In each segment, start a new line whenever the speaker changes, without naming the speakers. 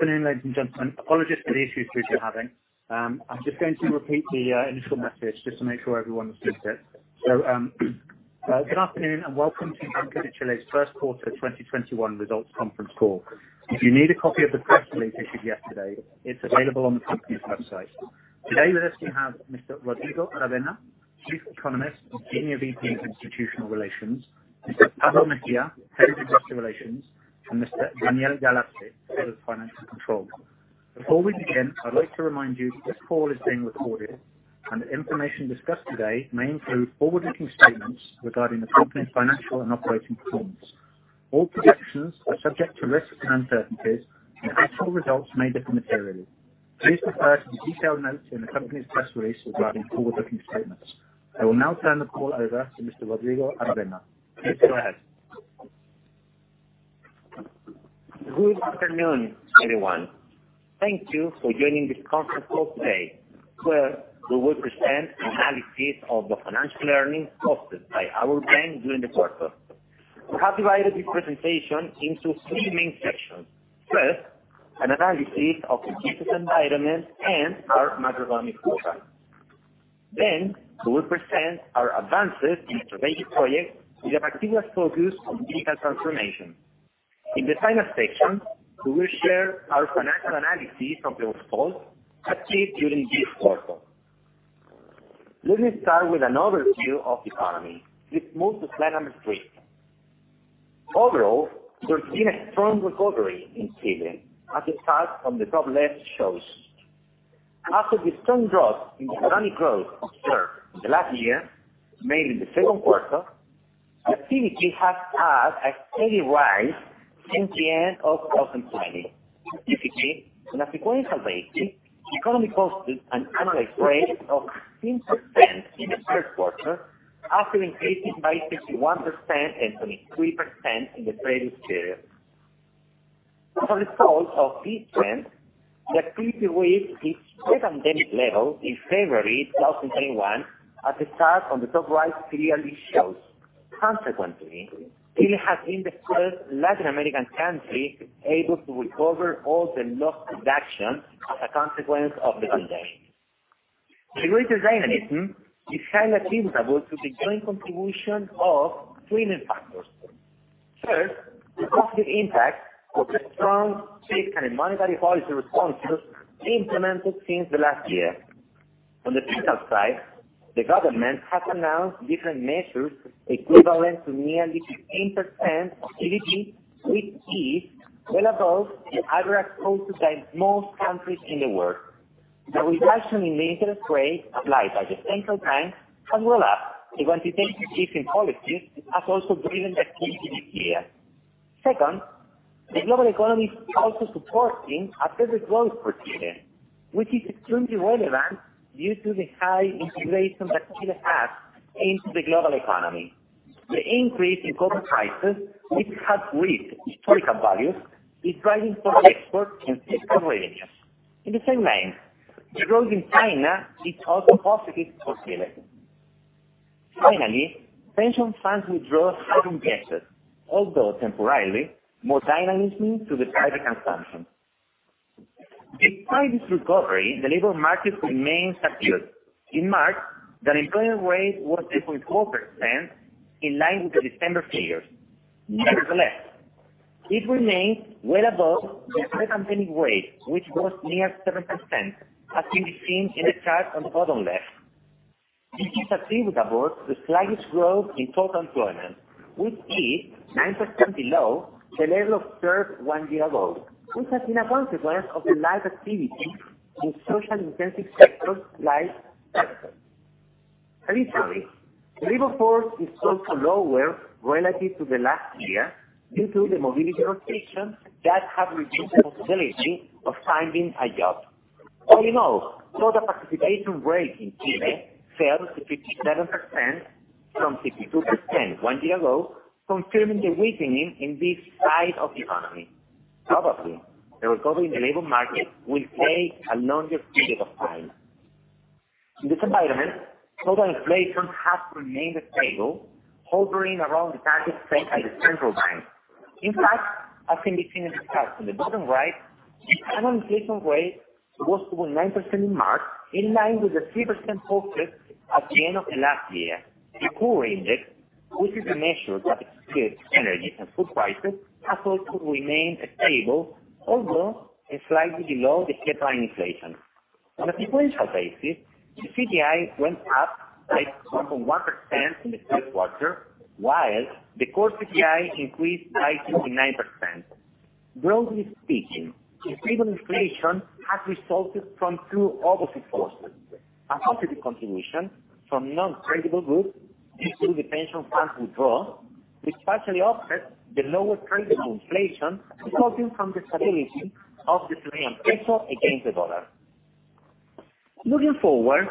Good afternoon, ladies and gentlemen. Apologies for the issues you've been having. I'm just going to repeat the initial message just to make sure everyone understood it. Good afternoon and welcome to Banco de Chile's first quarter 2021 results conference call. If you need a copy of the press release issued yesterday, it's available on the company's website. Today with us we have Mr. Rodrigo Aravena, Chief Economist, Senior VP of Institutional Relations, Mr. Pablo Mejia, Head of Investor Relations, and Mr. Daniel Galarce, Head of Financial Control. Before we begin, I'd like to remind you this call is being recorded and the information discussed today may include forward-looking statements regarding the company's financial and operating performance. All projections are subject to risks and uncertainties, and actual results may differ materially. Please refer to the detailed notes in the company's press release regarding forward-looking statements. I will now turn the call over to Mr. Rodrigo Aravena. Please go ahead.
Good afternoon, everyone. Thank you for joining this conference call today, where we will present analysis of the financial earnings hosted by our bank during the quarter. We have divided the presentation into three main sections. First, an analysis of the business environment and our macroeconomic profile. We will present our advances in strategic projects with a particular focus on digital transformation. In the final section, we will share our financial analysis of the results achieved during this quarter. Let me start with an overview of the economy. Let's move the slide number three. Overall, we're seeing a strong recovery in Chile, as the chart on the top left shows. After the strong drop in economic growth observed in the last year, mainly in the second quarter, activity has had a steady rise since the end of 2020. Typically, on a sequential basis, the economy posted an annualized rate of 10% in the first quarter, after increasing by 51% and 23% in the previous period. As a result of this trend, the activity reached its pre-pandemic level in February 2021, as the chart on the top right clearly shows. Consequently, Chile has been the first Latin American country able to recover all the lost production as a consequence of the pandemic. The greater dynamism is highly attributable to the joint contribution of three main factors. First, the positive impact of the strong fiscal and monetary policy responses implemented since the last year. On the fiscal side, the government has announced different measures equivalent to nearly 15% of GDP, which is well above the average posted by most countries in the world. The reduction in the interest rate applied by the Central Bank, as well as the quantitative easing policy, has also driven the activity this year. The global economy is also supporting a better growth for Chile, which is extremely relevant due to the high integration that Chile has into the global economy. The increase in copper prices, which have reached historical values, is driving foreign export and fiscal revenues. The growth in China is also positive for Chile. Pension funds withdraw savings. Although temporarily, more dynamism to the private consumption. Despite this recovery, the labor market remains subdued. In March, the unemployment rate was 8.4%, in line with the December figures. It remains well above the pre-pandemic rate, which was near 7%, as can be seen in the chart on the bottom left. This is attributable to the sluggish growth in total employment, which is 9% below the level observed one year ago, which has been a consequence of the low activity in social intensive sectors like construction. Additionally, the labor force is also lower relative to the last year due to the mobility restrictions that have reduced the possibility of finding a job. All in all, total participation rate in Chile fell to 57% from 62% one year ago, confirming the weakening in this side of the economy. Probably, the recovery in the labor market will take a longer period of time. In this environment, total inflation has remained stable, hovering around the target set by the Central Bank. In fact, as can be seen in the chart on the bottom right. The annual inflation rate was 2.9% in March, in line with the 3% forecast at the end of last year. The core index, which is a measure that excludes energy and food prices, has also remained stable, although it's slightly below the headline inflation. On a sequential basis, the CPI went up by 1.1% in the first quarter, while the core CPI increased by 2.9%. Broadly speaking, inflation has resulted from two opposite forces. A positive contribution from non-tradable goods due to the pension fund withdrawal, which partially offsets the lower trading inflation resulting from the stability of the Chilean peso against the U.S. dollar. Looking forward,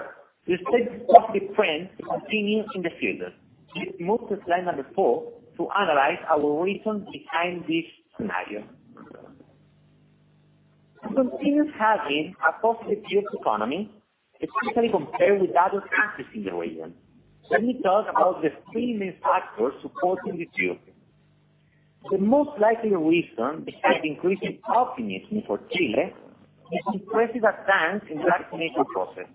we expect this trend to continue in the future. Please move to slide number four to analyze our reasons behind this scenario. Chile continues having a positive economy, especially compared with other countries in the region. Let me talk about the three main factors supporting this view. The most likely reason behind the increasing optimism for Chile is the impressive advance in the vaccination process.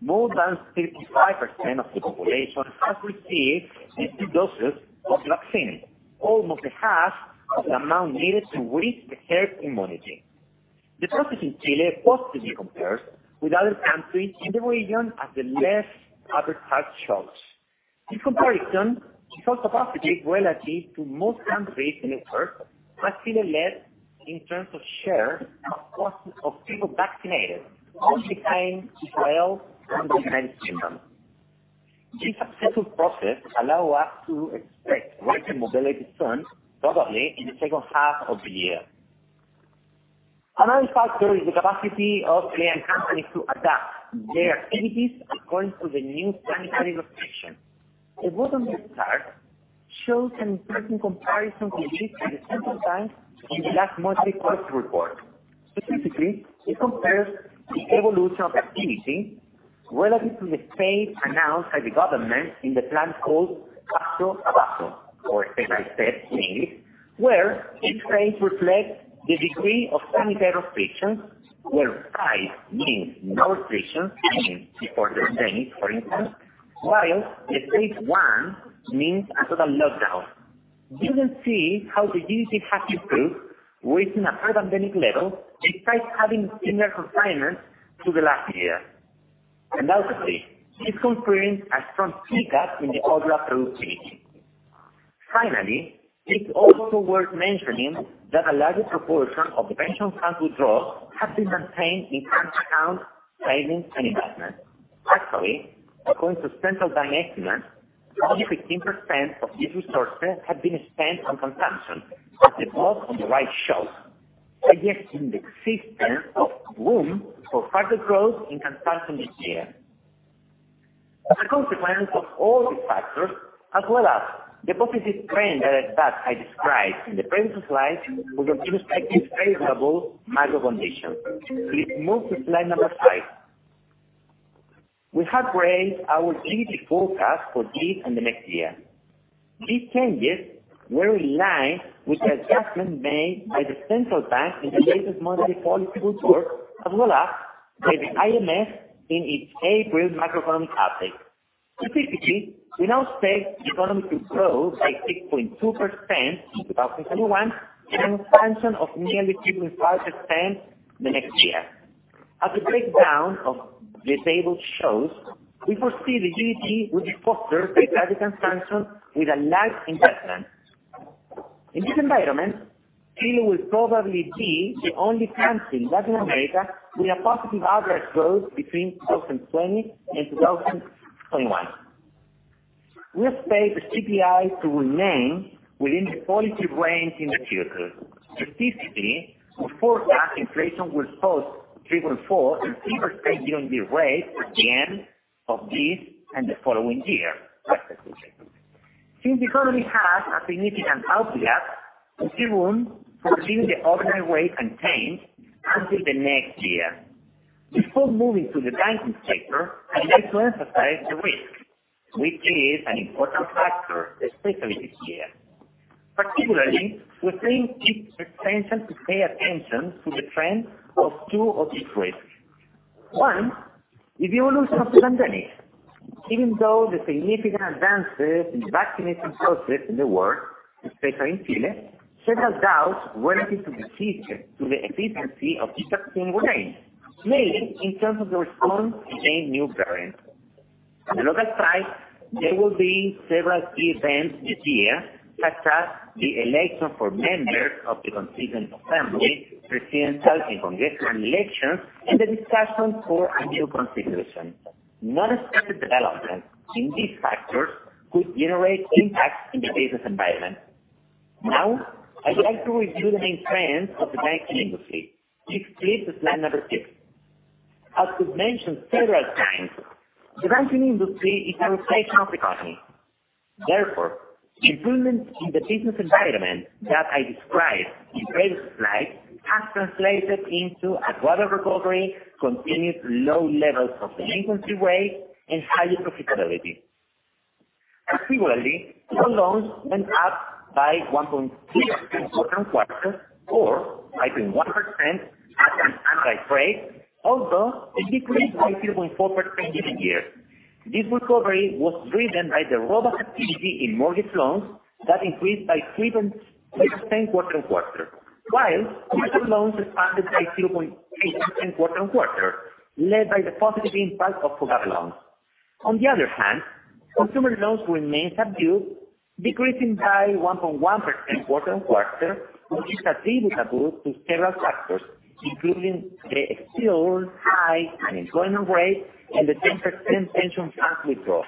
More than 35% of the population has received the two doses of vaccine, almost half of the amount needed to reach the herd immunity. The process in Chile positively compares with other countries in the region as the left upper chart shows. In comparison, this positivity relative to most countries in the world has Chile led in terms of share of people vaccinated, only behind Israel and the United Kingdom. This successful process allows us to expect greater mobility soon, probably in the second half of the year. Another factor is the capacity of Chilean companies to adapt their activities according to the new sanitary restrictions. The bottom of this chart shows an interesting comparison released by the Central Bank in the last Monthly Policy Report. Specifically, it compares the evolution of activity relative to the phase announced by the government in the plan called Paso a Paso, or Step by Step in English, where each phase reflects the degree of sanitary restrictions, where five means no restrictions, meaning before the pandemic, for instance, while the phase one means a total lockdown. You can see how the activity has improved, reaching a pre-pandemic level, despite having similar consignments to the last year. Obviously, this confirms a strong pick-up in the overall growth path. Finally, it's also worth mentioning that a larger proportion of the pension fund withdrawals has been maintained in current accounts, savings, and investments. Actually, according to Central Bank estimates, only 15% of these resources have been spent on consumption, as the box on the right shows, suggesting the existence of room for further growth in consumption this year. As a consequence of all these factors, as well as the positive trend that I described in the previous slide, we have anticipated favorable macro conditions. Please move to slide number five. We have raised our GDP forecast for this and the next year. These changes were in line with the adjustment made by the Central Bank in the latest Monthly Policy Report, as well as by the IMF in its April macroeconomic update. Specifically, we now expect the economy to grow by 6.2% in 2021, and an expansion of nearly 3.5% the next year. As the breakdown of the table shows, we foresee the GDP will be fostered by private consumption with a large investment. In this environment, Chile will probably be the only country in Latin America with a positive average growth between 2020 and 2021. We expect the CPI to remain within the policy range in the future. Specifically, we forecast inflation will post 3.4% and 3% year-on-year rate at the end of this and the following year, respectively. Since the economy has a significant output gap, there's still room for keeping the overnight rate unchanged until the next year. Before moving to the banking sector, I'd like to emphasize the risk, which is an important factor, especially this year. Particularly, we think it's essential to pay attention to the trend of two of these risks. One, the evolution of the pandemic. Even though the significant advances in the vaccination process in the world, especially in Chile, several doubts relative to the efficacy of the existing variants remain in terms of response to any new variant. On another side, there will be several key events this year, such as the election for members of the Constituent Assembly, presidential and congressional elections, and the discussion for a new constitution. Unexpected developments in these factors could generate impacts in the business environment. Now, I'd like to review the main trends of the banking industry. Please flip to slide number six. As we've mentioned several times, the banking industry is a reflection of the economy. Therefore, improvements in the business environment that I described in previous slides has translated into a broader recovery, continued low levels of delinquency rate, and higher profitability. Similarly, our loans went up by 1.3% quarter on quarter or 5.1% at an annualized rate, although a decrease of 2.4% year to year. This recovery was driven by the robust activity in mortgage loans that increased by 3.6% quarter-on-quarter, while consumer loans expanded by 0.8% quarter-on-quarter, led by the positive impact of FOGAPE loans. On the other hand, consumer loans remained subdued, decreasing by 1.1% quarter-on-quarter, which is attributable to several factors, including the still high unemployment rate and the 10% pension fund withdrawal.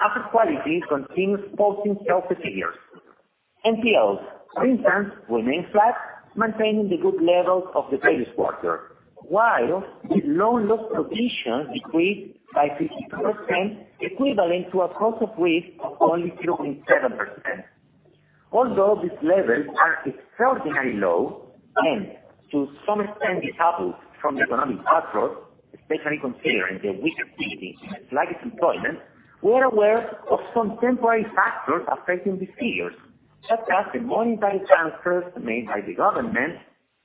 Asset quality continues posting healthy figures. NPLs, for instance, remain flat, maintaining the good levels of the previous quarter, while the loan loss provision decreased by 52%, equivalent to a cost of risk of only 0.7%. Although these levels are extraordinarily low and to some extent decoupled from the economic backdrop, especially considering the weak activity and sluggish employment, we are aware of some temporary factors affecting these figures, such as the monetary transfers made by the government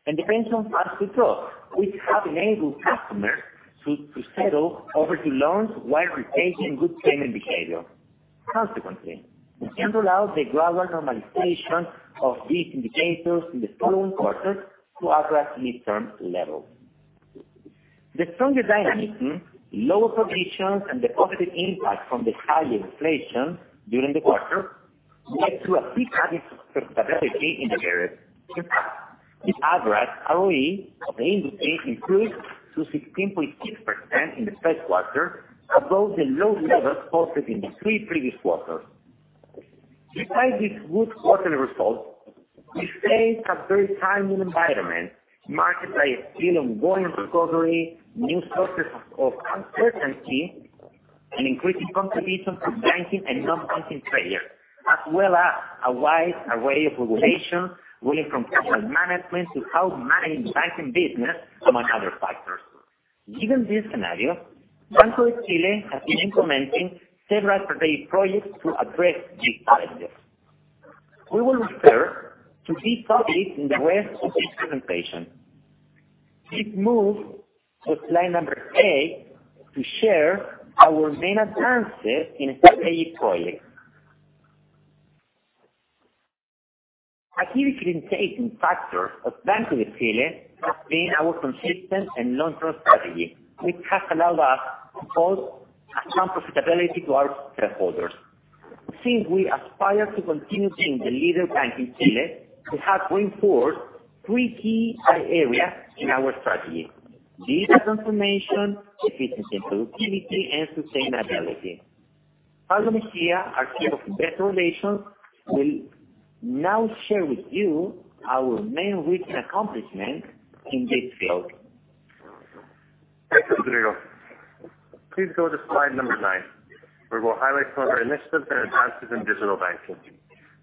and the pension fund withdrawals, which have enabled customers to settle overdue loans while maintaining good payment behavior. Consequently, we can rule out the global normalization of these indicators in the following quarters to address medium-term levels. The stronger dynamic, lower provisions, and the positive impact from the higher inflation during the quarter led to a significant profitability in the period. The average ROE of the industry increased to 16.6% in the third quarter, above the low levels posted in the three previous quarters. Despite these good quarterly results, we face a very challenging environment marked by a still ongoing recovery, new sources of uncertainty, and increasing competition from banking and non-banking players, as well as a wide array of regulation ranging from capital management to how to manage the banking business, among other factors. Given this scenario, Banco de Chile has been implementing several strategic projects to address these challenges. We will refer to these topics in the rest of this presentation. This moves us to slide number eight to share our main advances in strategic projects. A key differentiating factor of Banco de Chile has been our consistent and long-term strategy, which has allowed us to post strong profitability to our shareholders. Since we aspire to continue being the leader bank in Chile, we have reinforced three key areas in our strategy: digital transformation, efficiency and productivity, and sustainability. Pablo Mejia, our Chief of Investor Relations, will now share with you our main recent accomplishments in this field.
Thanks, Rodrigo. Please go to slide number nine, where we'll highlight some of our initiatives and advances in digital banking.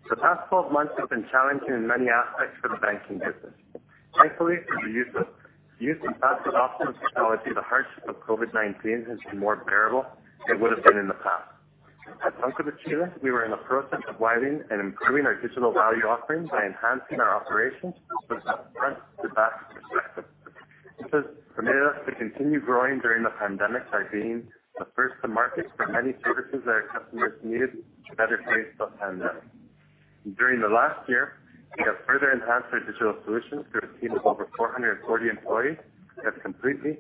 The past 12 months have been challenging in many aspects for the banking business. Thankfully, through the use of faster technology, the hardship of COVID-19 has been more bearable than it would have been in the past. At Banco de Chile, we were in the process of widening and improving our digital value offerings by enhancing our operations from a front to back perspective. This has permitted us to continue growing during the pandemic by being the first to market for many services that our customers needed to better face the pandemic. During the last year, we have further enhanced our digital solutions through a team of over 440 employees that are completely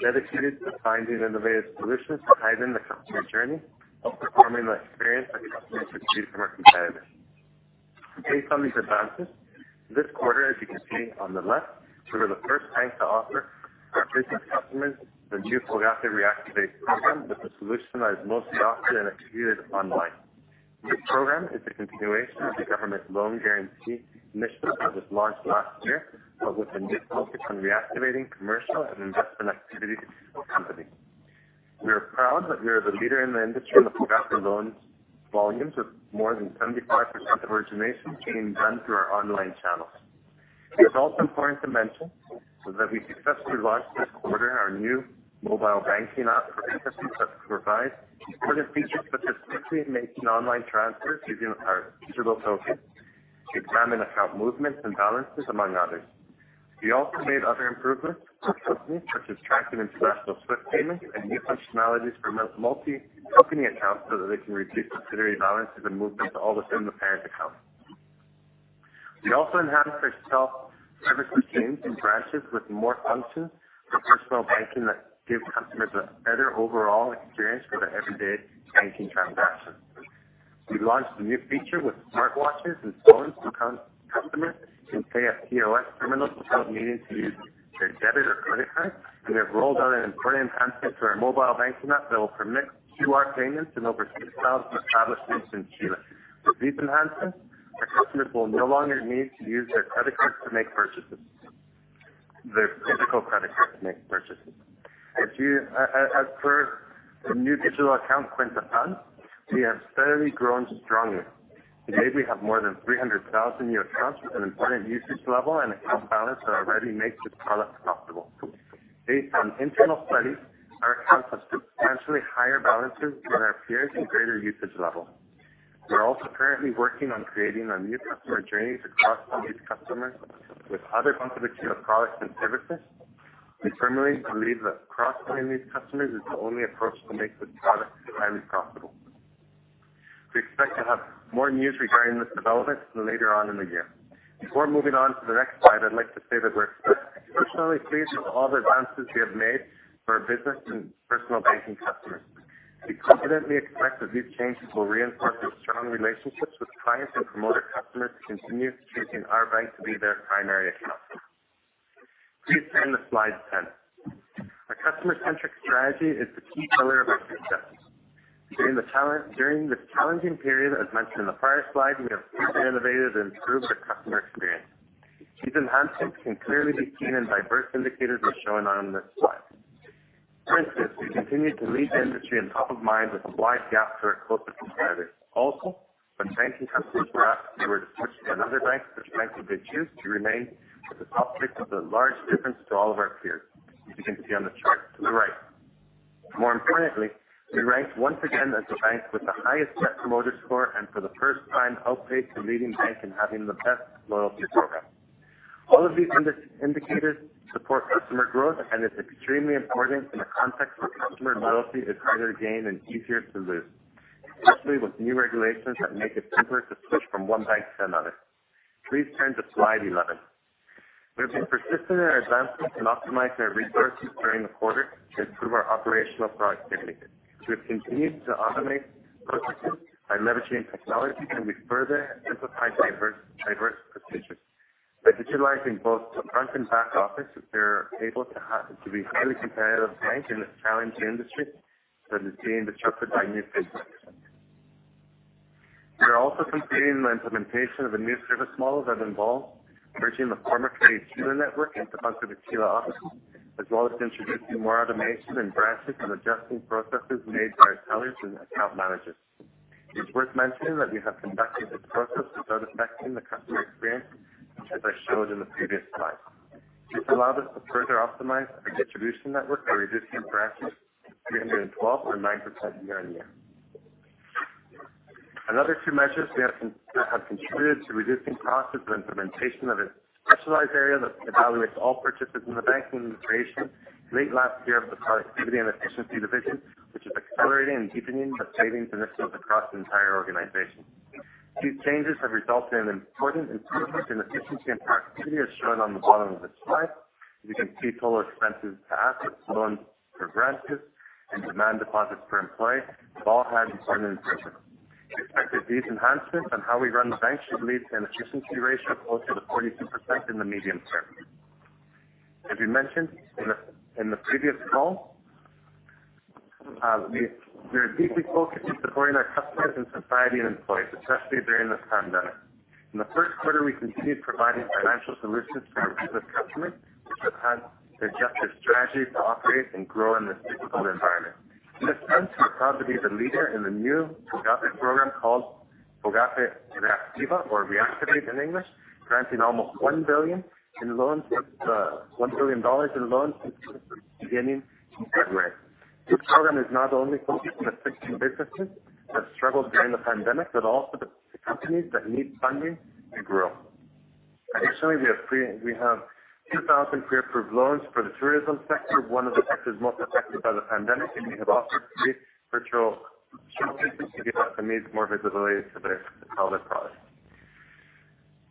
dedicated to finding innovative solutions to heighten the customer journey while performing the experience that customers expect from our competitors. Based on these advances, this quarter, as you can see on the left, we were the first bank to offer our business customers the new FOGAPE Reactiva program with a solution that is mostly offered and executed online. This program is a continuation of the government loan guarantee mission that was launched last year, with a new focus on reactivating commercial and investment activity for companies. We are proud that we are the leader in the industry in the FOGAPE loans volumes, with more than 75% of originations being done through our online channels. It is also important to mention that we successfully launched this quarter our new mobile banking app for business that provides important features, such as quickly making online transfers using our digital tokens, examine account movements and balances, among others. We also made other improvements for companies, such as tracking international SWIFT payments and new functionalities for multi-company accounts so that they can review subsidiary balances and move them to all within the parent account. We also enhanced our self-service machines in branches with more functions for personal banking that give customers a better overall experience for their everyday banking transactions. We launched a new feature with smartwatches and phones, so customers can pay at POS terminals without needing to use their debit or credit card, and we have rolled out an important enhancement to our mobile banking app that will permit QR payments in over 6,000 establishments in Chile. With these enhancements, our customers will no longer need to use their credit cards to make purchases, their physical credit cards to make purchases. As per the new digital account Cuenta FAN, we have steadily grown strongly. Today, we have more than 300,000 new accounts with an important usage level and account balance that already makes this product profitable. Based on internal studies, our accounts have substantially higher balances than our peers and greater usage level. We are also currently working on creating a new customer journey to cross-sell these customers with other Banco de Chile products and services. We firmly believe that cross-selling these customers is the only approach to make this product highly profitable. We expect to have more news regarding this development later on in the year. Before moving on to the next slide, I'd like to say that we're personally pleased with all the advances we have made for our business and personal banking customers. We confidently expect that these changes will reinforce those strong relationships with clients and promote our customers to continue choosing our bank to be their primary account. Please turn to slide 10. Our customer-centric strategy is the key pillar of our success. During this challenging period, as mentioned in the prior slide, we have deeply innovated and improved the customer experience. These enhancements can clearly be seen in diverse indicators as shown on this slide. For instance, we continue to lead the industry in top of mind with a wide gap to our closest competitors. When banking customers were asked if they were to switch to another bank, which bank would they choose, we remain at the top pick with a large difference to all of our peers, as you can see on the chart to the right. More importantly, we ranked once again as the bank with the highest Net Promoter Score and, for the first time, outpaced the leading bank in having the best loyalty program. All of these indicators support customer growth and is extremely important in a context where customer loyalty is harder to gain and easier to lose, especially with new regulations that make it simpler to switch from one bank to another. Please turn to slide 11. We have been persistent in our advancements and optimized our resources during the quarter to improve our operational productivity. We have continued to automate processes by leveraging technology, and we further simplified diverse procedures. By digitalizing both the front and back office, we were able to be the highly competitive bank in this challenging industry that is being disrupted by new fintechs. We are also completing the implementation of a new service model that involves merging the former CrediChile network into Banco de Chile offices, as well as introducing more automation in branches and adjusting processes made by our tellers and account managers. It's worth mentioning that we have conducted this process without affecting the customer experience, as I showed in the previous slide. This allowed us to further optimize our distribution network by reducing branches to 312 or 9% year-over-year. Another two measures we have contributed to reducing costs is the implementation of a specialized area that evaluates all purchases in the bank and the creation late last year of the productivity and efficiency division, which is accelerating and deepening the savings initiatives across the entire organization. These changes have resulted in important improvements in efficiency and productivity, as shown on the bottom of the slide. As you can see, total expenses to assets, loans per branches, and demand deposits per employee have all had important improvements. We expect that these enhancements on how we run the bank should lead to an efficiency ratio close to 42% in the medium term. As we mentioned in the previous call, we are deeply focused on supporting our customers and society and employees, especially during this pandemic. In the first quarter, we continued providing financial solutions to our business customers, which have had to adjust their strategies to operate and grow in this difficult environment. In this sense, we're proud to be the leader in the new Fogape program called Fogape Reactiva, or Reactivate in English, granting almost 1 billion in loans since beginning in February. This program is not only focused on assisting businesses that struggled during the pandemic but also the companies that need funding to grow. Additionally, we have 2,000 career-approved loans for the tourism sector, one of the sectors most affected by the pandemic, and we have also created virtual showcases to give our SMEs more visibility to sell their products.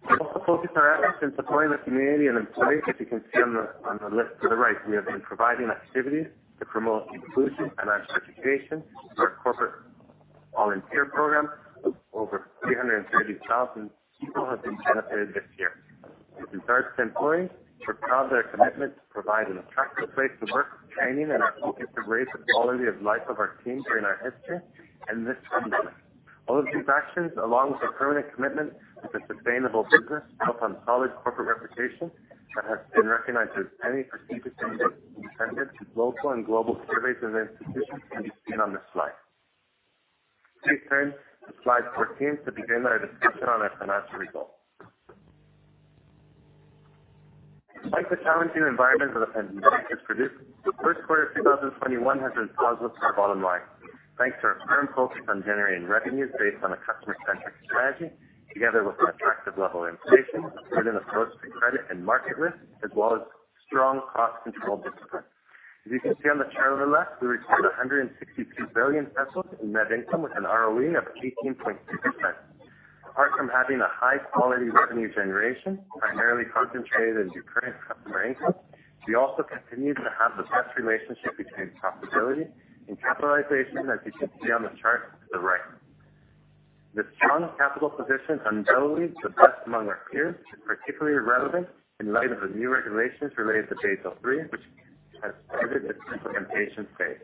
We are also focused our efforts in supporting the community and employees. As you can see on the list to the right, we have been providing activities to promote inclusion and diversification through our corporate volunteer program. Over 330,000 people have been benefited this year. With regards to employees, we're proud of our commitment to provide an attractive place of work with training and our focus to raise the quality of life of our team during our history and this pandemic. All of these actions, along with our permanent commitment to sustainable business, built on solid corporate reputation that has been recognized as penny for Chile's most competitive in local and global surveys and institutions, can be seen on this slide. Please turn to slide 14 to begin our discussion on our financial results. Despite the challenging environment that the pandemic has produced, the first quarter of 2021 has been positive for our bottom line thanks to our firm focus on generating revenues based on a customer-centric strategy, together with an attractive level of inflation, prudent approach to credit and market risk, as well as strong cost control discipline. As you can see on the chart on the left, we recorded 162 billion pesos in net income with an ROE of 18.2%. Apart from having a high-quality revenue generation primarily concentrated in recurring customer income, we also continue to have the best relationship between profitability and capitalization, as you can see on the chart to the right. This strong capital position, undoubtedly the best among our peers, is particularly relevant in light of the new regulations related to Basel III, which has started its implementation phase.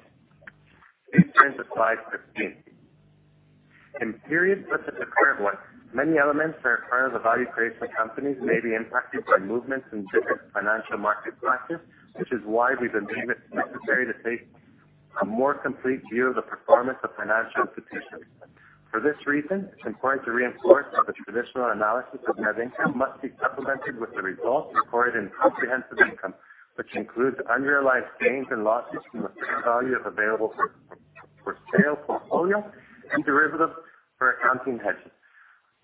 Please turn to slide 15. In periods such as the current one, many elements that are part of the value creation of companies may be impacted by movements in different financial market classes, which is why we believe it necessary to take a more complete view of the performance of financial institutions. For this reason, it's important to reinforce that the traditional analysis of net income must be supplemented with the results recorded in comprehensive income, which includes unrealized gains and losses from the fair value of available for sale portfolio and derivatives for accounting hedges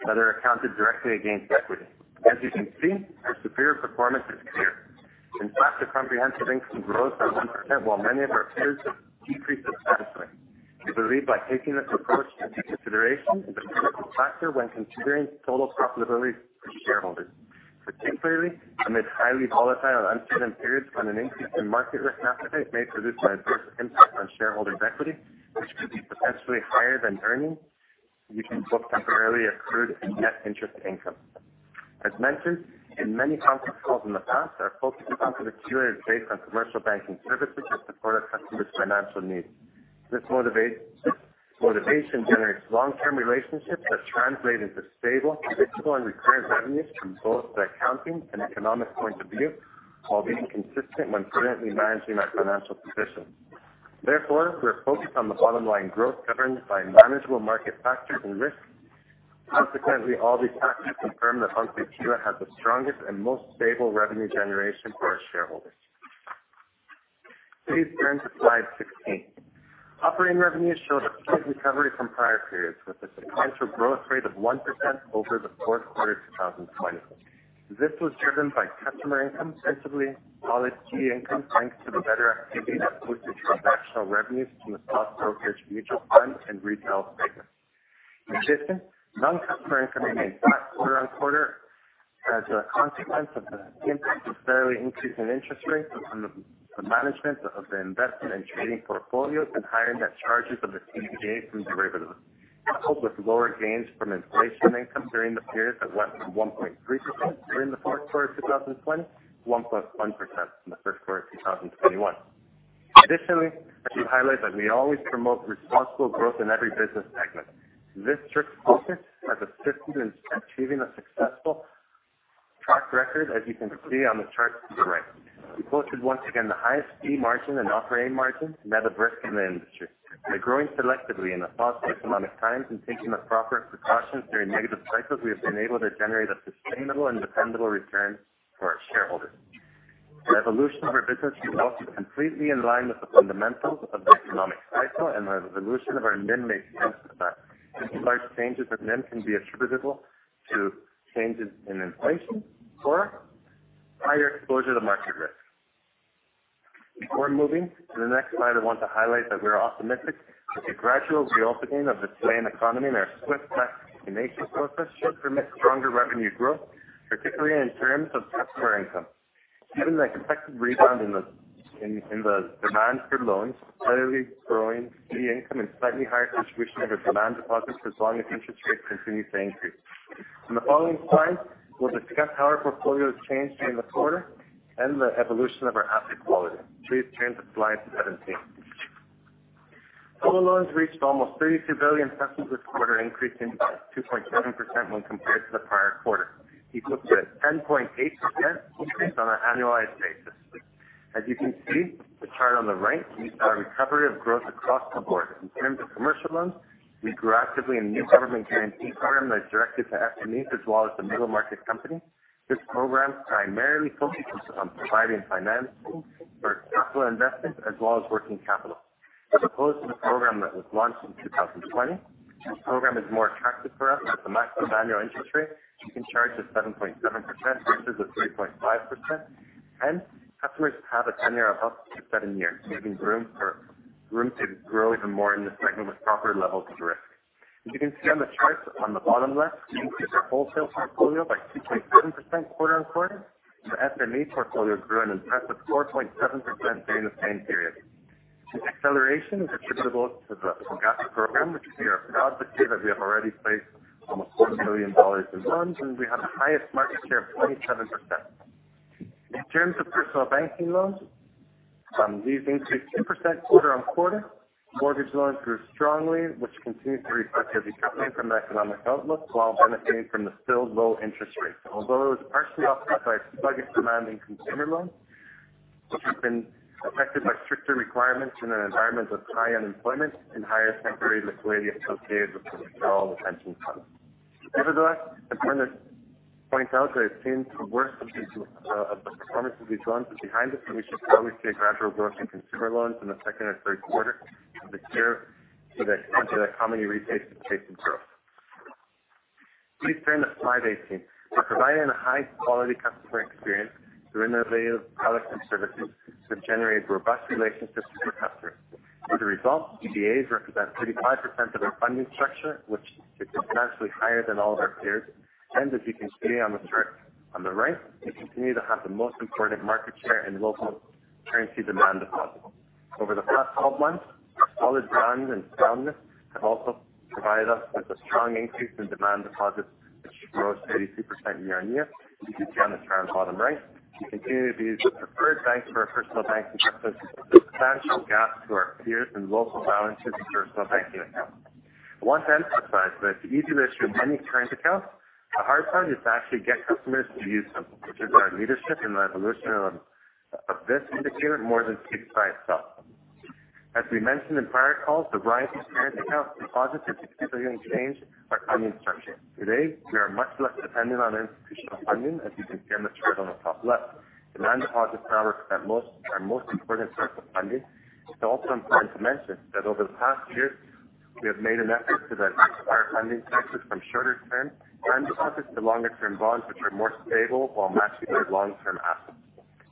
that are accounted directly against equity. As you can see, our superior performance is clear. In fact, the comprehensive income growth is at 1%, while many of our peers have decreased substantially. We believe by taking this approach into consideration is a critical factor when considering total profitability for shareholders, particularly amid highly volatile and uncertain periods when an increase in market risk appetite may produce an adverse impact on shareholders' equity, which could be potentially higher than earnings, which can both temporarily accrue in net interest income. As mentioned in many conference calls in the past, our focus in Banco de Chile is based on commercial banking services that support our customers' financial needs. This motivation generates long-term relationships that translate into stable, predictable, and recurrent revenues from both the accounting and economic point of view, while being consistent when prudently managing our financial position. Therefore, we're focused on the bottom line growth governed by manageable market factors and risks. Consequently, all these factors confirm that Banco de Chile has the strongest and most stable revenue generation for our shareholders. Please turn to slide 16. Operating revenues showed a slight recovery from prior periods, with a sequential growth rate of 1% over the fourth quarter 2020. This was driven by customer income, principally quality income, thanks to the better activity that boosted transactional revenues from the stock brokerage mutual funds and retail segments. In addition, non-customer income increased quarter on quarter as a consequence of the impact of the increase in interest rates on the management of the investment and trading portfolios and higher net charges of the DDAs from derivatives, coupled with lower gains from inflation income during the period that went from 1.3% during the fourth quarter 2020 to 1.1% in the first quarter 2021. Additionally, I should highlight that we always promote responsible growth in every business segment. This strict focus has assisted in achieving a successful track record, as you can see on the chart to the right. We posted once again the highest fee margin and operating margin net of risk in the industry. By growing selectively in the tough economic times and taking the proper precautions during negative cycles, we have been able to generate a sustainable and dependable return for our shareholders. The evolution of our business results is completely in line with the fundamentals of the economic cycle and the evolution of our NIM makes sense of that. Any large changes in NIM can be attributable to changes in inflation or higher exposure to market risk. Before moving to the next slide, I want to highlight that we are optimistic that the gradual reopening of the Chilean economy and our swift vaccination process should permit stronger revenue growth, particularly in terms of customer income, given the expected rebound in the demand for loans, steadily growing fee income and slightly higher contribution of the demand deposits as long as interest rates continue to increase. On the following slide was our portfolio change during the quarter and the evolution of our asset quality. Please turn to slide 17. Total loans reached almost 32 trillion this quarter, increasing by 2.7% when compared to the prior quarter. Equivalent to 10.8% increase on an annualized basis. As you can see, the chart on the right shows our recovery of growth across the board. In terms of commercial loans, we grew actively in the new government guarantee program that's directed to SMEs as well as the middle market company. This program primarily focuses on providing finance for capital investments as well as working capital. As opposed to the program that was launched in 2020, this program is more attractive for us, with a maximum annual interest rate we can charge of 7.7% versus the 3.5%, and customers have a tenure of up to seven years, leaving room to grow even more in this segment with proper levels of risk. As you can see on the chart on the bottom left, we increased our wholesale portfolio by 2.7% quarter-on-quarter. The SME portfolio grew an impressive 4.7% during the same period. This acceleration is attributable to the FOGAPE program, which we are proud to say that we have already placed almost $4 million in loans, and we have the highest market share of 27%. In terms of personal banking loans, these increased 2% quarter-on-quarter. Mortgage loans grew strongly, which continues to reflect a recovery from the economic outlook while benefiting from the still low interest rates. It was partially offset by a slight demand in consumer loans, which have been affected by stricter requirements in an environment of high unemployment and higher temporary liquidity associated with withdrawal of pension funds. It's important to point out that it seems the worst of the performance of these loans is behind us, and we should probably see a gradual growth in consumer loans in the second and third quarter of this year so that company replaces pace and growth. Please turn to slide 18. We're providing a high-quality customer experience through innovative products and services to generate robust relationships with our customers. As a result, CDAs represent 35% of our funding structure, which is substantially higher than all of our peers. As you can see on the chart on the right, we continue to have the most important market share in local currency demand deposits. Over the past 12 months, solid brands and soundness have also provided us with a strong increase in demand deposits, which rose 32% year-on-year. As you can see on the chart on bottom right, we continue to be the preferred bank for personal banking purposes with a substantial gap to our peers in local balances in personal banking accounts. I want to emphasize that it's easy to issue many current accounts. The hard part is to actually get customers to use them, which is why our leadership in the evolution of this indicator more than speaks by itself. As we mentioned in prior calls, the rise in current account deposits is going to change our funding structure. Today, we are much less dependent on institutional funding, as you can see on the chart on the top left. Demand deposits now represent our most important source of funding. It is also important to mention that over the past year, we have made an effort to divert our funding sources from shorter-term time deposits to longer-term bonds, which are more stable while matching their long-term assets,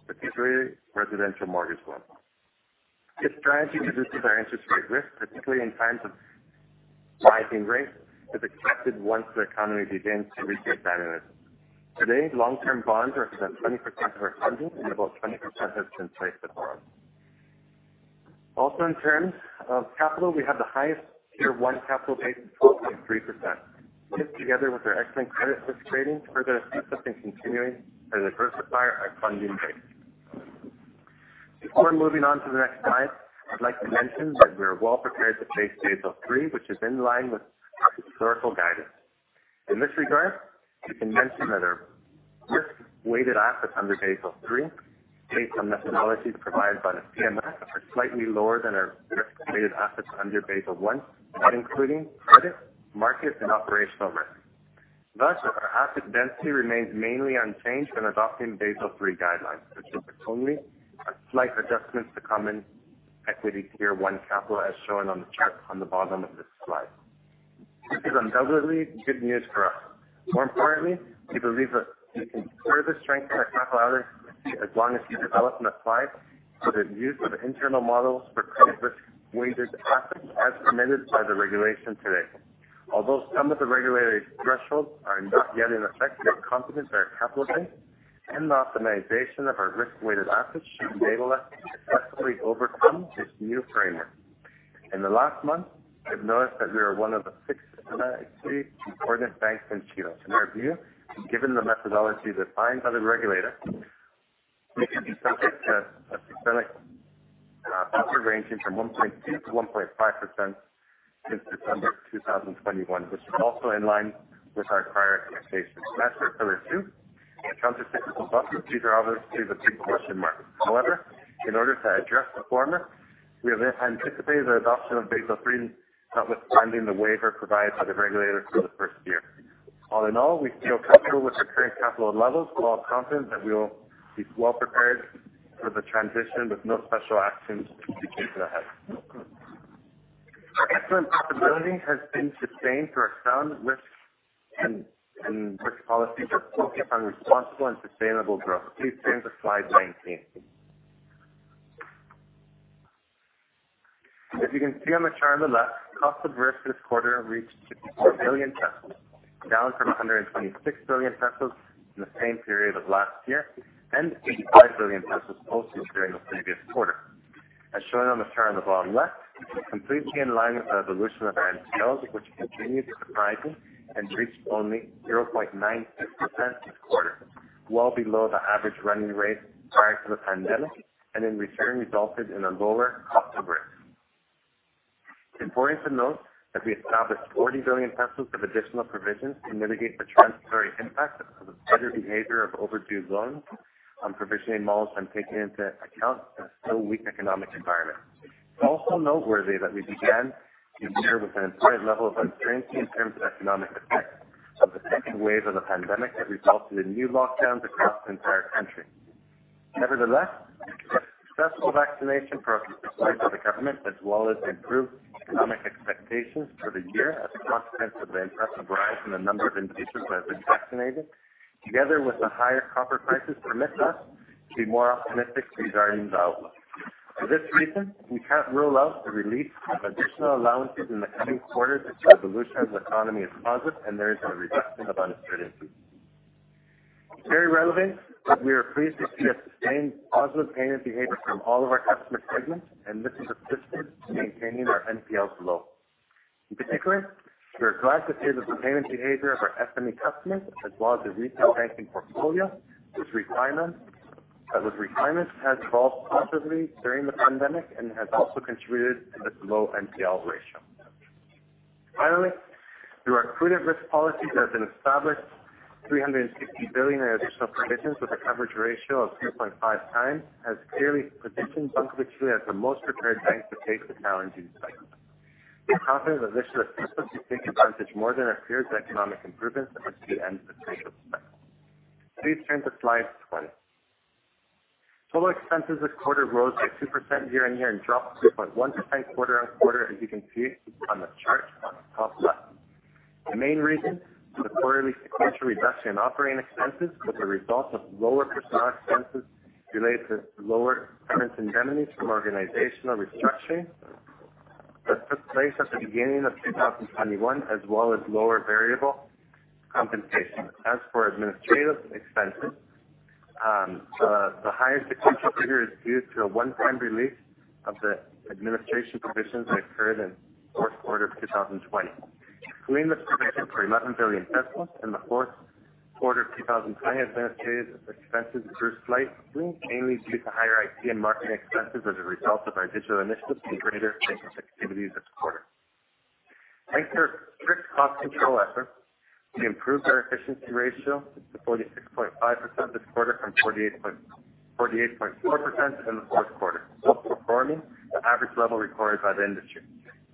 particularly residential mortgage loans. This strategy reduces our interest rate risk, particularly in times of rising rates, as expected once the economy begins to reach its dynamism. Today, long-term bonds represent 20% of our funding, and about 20% has been placed at risk. Also, in terms of capital, we have the highest Tier 1 capital base of 12.3%. This, together with our excellent credit risk rating, further assists us in continuing to diversify our funding base. Before moving on to the next slide, I'd like to mention that we are well prepared to face Basel III, which is in line with our historical guidance. In this regard, we can mention that our risk-weighted assets under Basel III, based on methodologies provided by the CMF, are slightly lower than our risk-weighted assets under Basel I, including credit, market, and operational risk. Thus, our asset density remains mainly unchanged when adopting Basel III guidelines, which will bring only a slight adjustment to common equity Tier 1 capital, as shown on the chart on the bottom of this slide. This is undoubtedly good news for us. More importantly, we believe that we can further strengthen our capital adequacy as long as we develop and apply the use of internal models for credit-risk weighted assets as permitted by the regulation today. Although some of the regulatory thresholds are not yet in effect, we are confident that our capital base and the optimization of our risk-weighted assets should enable us to successfully overcome this new framework. In the last month, we have noticed that we are one of the six systemically important banks in Chile. In our view, given the methodology defined by the regulator, we could be subject to a systemic buffer ranging from 1.2% to 1.5% since December 2021, which is also in line with our prior expectations. As for Pillar 2, the countercyclical buffer still obviously is a big question mark. However, in order to address the former, we have anticipated the adoption of Basel III, notwithstanding the waiver provided by the regulators for the first year. All in all, we feel comfortable with the current capital levels. We are confident that we will be well prepared for the transition with no special actions to be taken ahead. Our excellent profitability has been sustained through our sound risk and risk policies are focused on responsible and sustainable growth. Please turn to slide 19. As you can see on the chart on the left, cost of risk this quarter reached 64 billion pesos, down from 126 billion pesos in the same period of last year and 85 billion pesos posted during the previous quarter. As shown on the chart on the bottom left, completely in line with the evolution of NPLs, which continued surprising and reached only 0.96% this quarter, well below the average running rate prior to the pandemic, and in return, resulted in a lower cost of risk. It's important to note that we established 40 billion pesos of additional provisions to mitigate the transitory impact of the better behavior of overdue loans on provisioning models when taking into account the still weak economic environment. It's also noteworthy that we began the year with an important level of uncertainty in terms of economic effects of the second wave of the pandemic that resulted in new lockdowns across the entire country. Nevertheless, the successful vaccination program supported by the government as well as improved economic expectations for the year as a consequence of the impressive rise in the number of individuals that have been vaccinated, together with the higher copper prices, permits us to be more optimistic regarding the outlook. For this reason, we can't rule out the release of additional allowances in the coming quarters if the evolution of the economy is positive and there is a reduction of uncertainty. It's very relevant that we are pleased to see a sustained positive payment behavior from all of our customer segments, and this has assisted in maintaining our NPLs low. In particular, we are glad to see that the payment behavior of our SME customers as well as the retail banking portfolio, whose requirements have evolved positively during the pandemic and has also contributed to this low NPL ratio. Finally, through our prudent risk policies that have been established, 360 billion in additional provisions with a coverage ratio of 2.5x has clearly positioned Banco de Chile as the most prepared bank to face the challenging cycle. We are confident that this should assist us to take advantage more than our peers of economic improvements that we see at the end of the cycle. Please turn to slide 20. Total expenses this quarter rose by 2% year-on-year and dropped 2.1% quarter-on-quarter, as you can see on the chart on the top left. The main reason is the quarterly sequential reduction in operating expenses was a result of lower personnel expenses related to lower severance indemnities from organizational restructuring that took place at the beginning of 2021, as well as lower variable compensation. As for administrative expenses, the higher sequential figure is due to a one-time release of the administration provisions that occurred in the fourth quarter of 2020. Between the third quarter CLP 11 billion and the fourth quarter 2020, administrative expenses grew slightly, mainly due to higher IT and marketing expenses as a result of our digital initiatives and greater banking activities this quarter. Thanks to our strict cost control efforts, we improved our efficiency ratio to 46.5% this quarter from 48.4% in the fourth quarter, thus performing the average level recorded by the industry.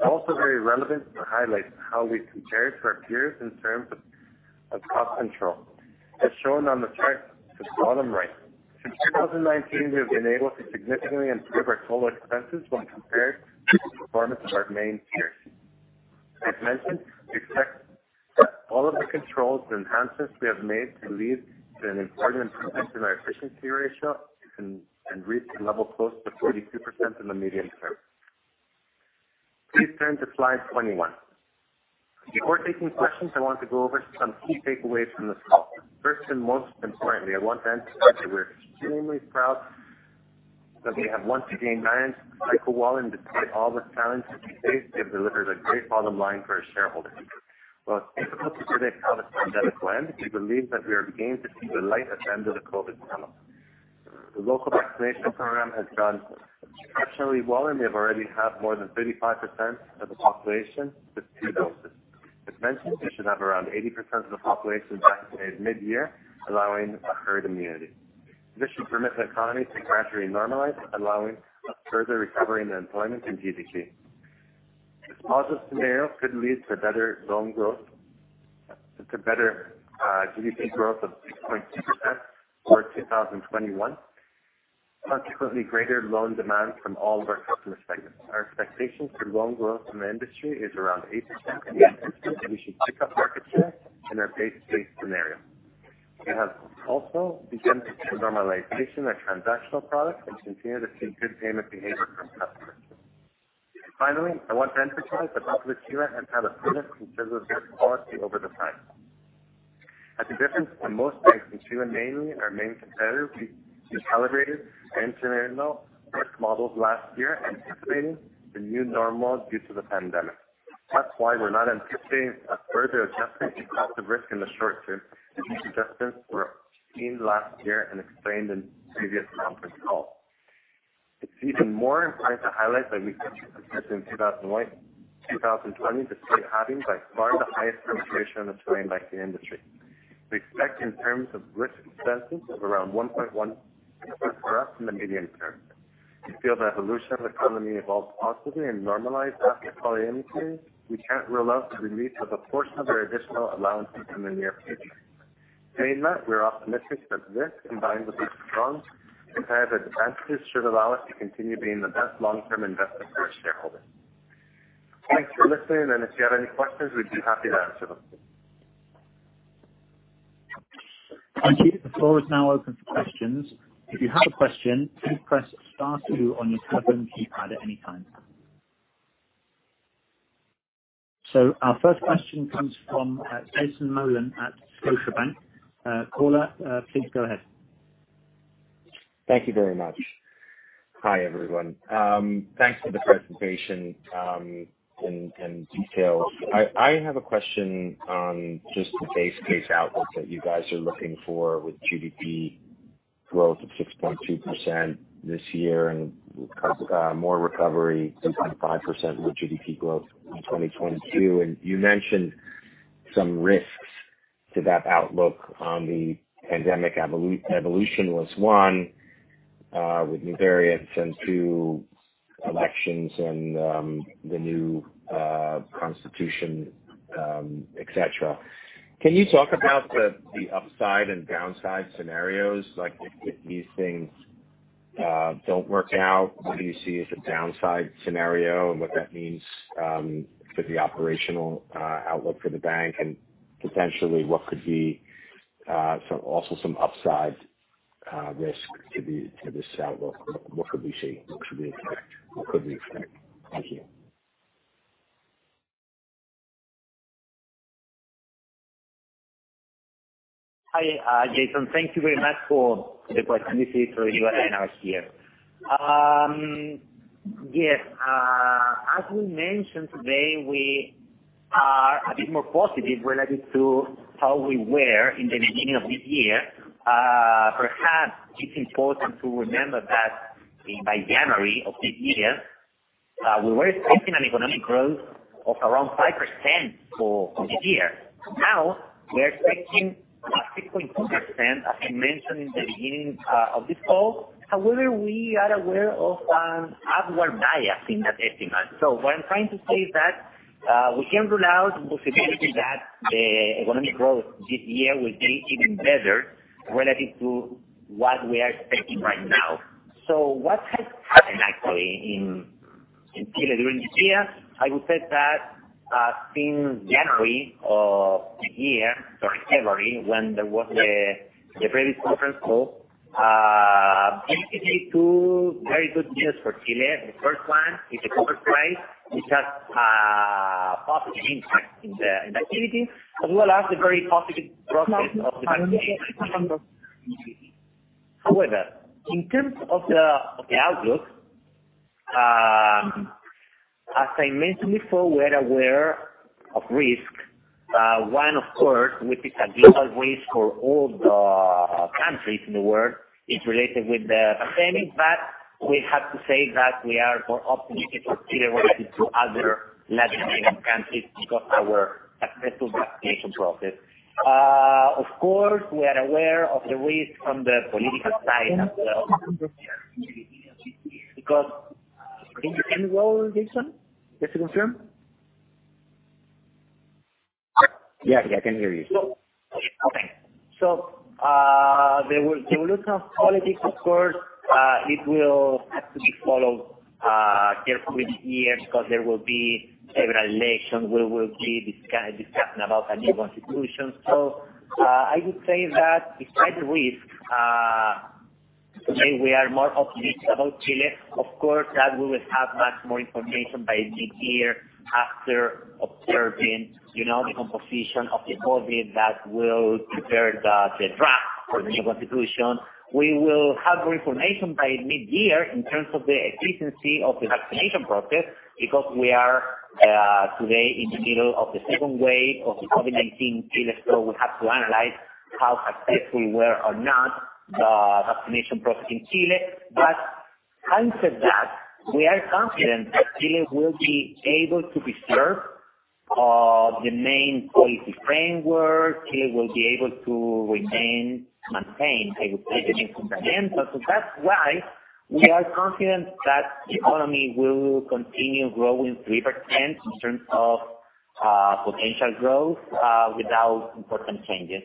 Also very relevant to highlight how we compare to our peers in terms of cost control. As shown on the chart at the bottom right, since 2019, we have been able to significantly improve our total expenses when compared to the performance of our main peers. As mentioned, we expect that all of the controls and enhancements we have made to lead to an important improvement in our efficiency ratio can reach a level close to 42% in the medium term. Please turn to slide 21. Before taking questions, I want to go over some key takeaways from this call. First, most importantly, I want to emphasize that we're extremely proud that we have once again managed to stay the course and despite all the challenges we faced, we have delivered a great bottom line for our shareholders. While it's difficult to predict how this pandemic will end, we believe that we are beginning to see the light at the end of the COVID tunnel. The local vaccination program has done exceptionally well, and we have already more than 35% of the population with two doses. As mentioned, we should have around 80% of the population vaccinated mid-year, allowing a herd immunity. This should permit the economy to gradually normalize, allowing a further recovery in employment and GDP. This positive scenario could lead to better loan growth, to better GDP growth of 6.2% for 2021, consequently greater loan demand from all of our customer segments. We anticipate that we should pick up market share in our base case scenario. We have also begun to see a normalization of transactional products and continue to see good payment behavior from customers. Finally, I want to emphasize the health of Chile and how the business considers risk policy over the time. As a difference to most banks in Chile, mainly our main competitor, we calibrated and scenarios risk models last year, anticipating the new normal due to the pandemic. That is why we are not anticipating a further adjustment in cost of risk in the short term, as these adjustments were seen last year and explained in previous conference calls. It is even more important to highlight that we finished 2020 despite having by far the highest penetration of Chilean banking industry. We expect in terms of risk expenses of around 1.1% for us in the medium term. We feel the evolution of the economy evolves positively and normalized after herd immunity, we cannot rule out the release of a portion of our additional allowances in the near future. Main net, we are optimistic that this, combined with a strong competitive advantage, should allow us to continue being the best long-term investment for our shareholders. Thanks for listening, and if you have any questions, we'd be happy to answer them.
Thank you. The floor is now open for questions. If you have a question, please press star two on your keypad at any time. Our first question comes from Jason Molin at Scotiabank. Caller, please go ahead.
Thank you very much. Hi, everyone. Thanks for the presentation and details. I have a question on just the base case outlook that you guys are looking for with GDP growth of 6.2% this year and more recovery, 6.5% with GDP growth in 2022. You mentioned some risks to that outlook on the pandemic evolution was one, with new variants and two, elections and the new constitution, et cetera. Can you talk about the upside and downside scenarios, like if these things don't work out, what do you see as a downside scenario and what that means for the operational outlook for the bank and potentially what could be also some upside risk to this outlook? What could we see? What should we expect? Thank you.
Hi, Jason. Thank you very much for the question. This is Rodrigo Aravena here. Yes, as we mentioned today, we are a bit more positive relative to how we were in the beginning of this year. Perhaps it's important to remember that by January of this year, we were expecting an economic growth of around 5% for this year. Now we're expecting 6.2%, as I mentioned in the beginning of this call. We are aware of an upward bias in that estimate. What I'm trying to say is that we can't rule out the possibility that the economic growth this year will be even better relative to what we are expecting right now. What has happened actually in Chile during this year? I would say that since January of the year, sorry, February, when there was the previous conference call, basically two very good news for Chile. The first one is the copper price, which has a positive impact in the activity, as well as the very positive process of vaccination. However, in terms of the outlook. As I mentioned before, we are aware of risk. One, of course, which is a global risk for all the countries in the world, is related with the pandemic. We have to say that we are more optimistic of Chile related to other Latin American countries because our successful vaccination process. Of course, we are aware of the risk from the political side as well. Can you hear me well, Jason? Just to confirm.
Yeah. I can hear you.
Okay. The evolution of politics, of course, it will have to be followed carefully this year because there will be several elections. We will be discussing about a new constitution. I would say that despite the risk, today we are more optimistic about Chile. Of course, that we will have much more information by mid-year after observing the composition of the Constituent Assembly that will prepare the draft for the new constitution. We will have more information by mid-year in terms of the efficiency of the vaccination process because we are today in the middle of the second wave of the COVID-19 in Chile. We have to analyze how successful were or not the vaccination process in Chile. Having said that, we are confident that Chile will be able to preserve the main policy framework. Chile will be able to maintain, I would say, the main fundamentals. That's why we are confident that the economy will continue growing 3% in terms of potential growth without important changes.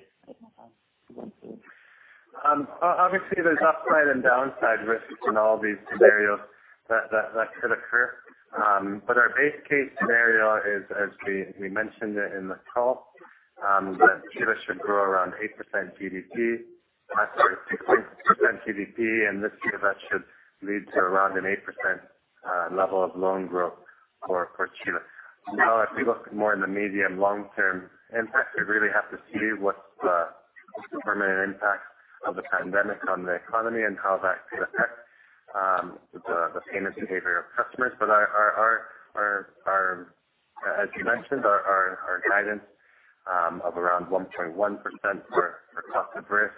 Obviously, there's upside and downside risks in all these scenarios that could occur. Our base case scenario is, as we mentioned it in the call, that Chile should grow around 8% GDP. Sorry, 6.2% GDP, and this year that should lead to around an 8% level of loan growth for Chile. Now, if you look more in the medium long-term impact, we really have to see what's the permanent impact of the pandemic on the economy and how that could affect the payment behavior of customers. As you mentioned, our guidance of around 1.1% for cost of risk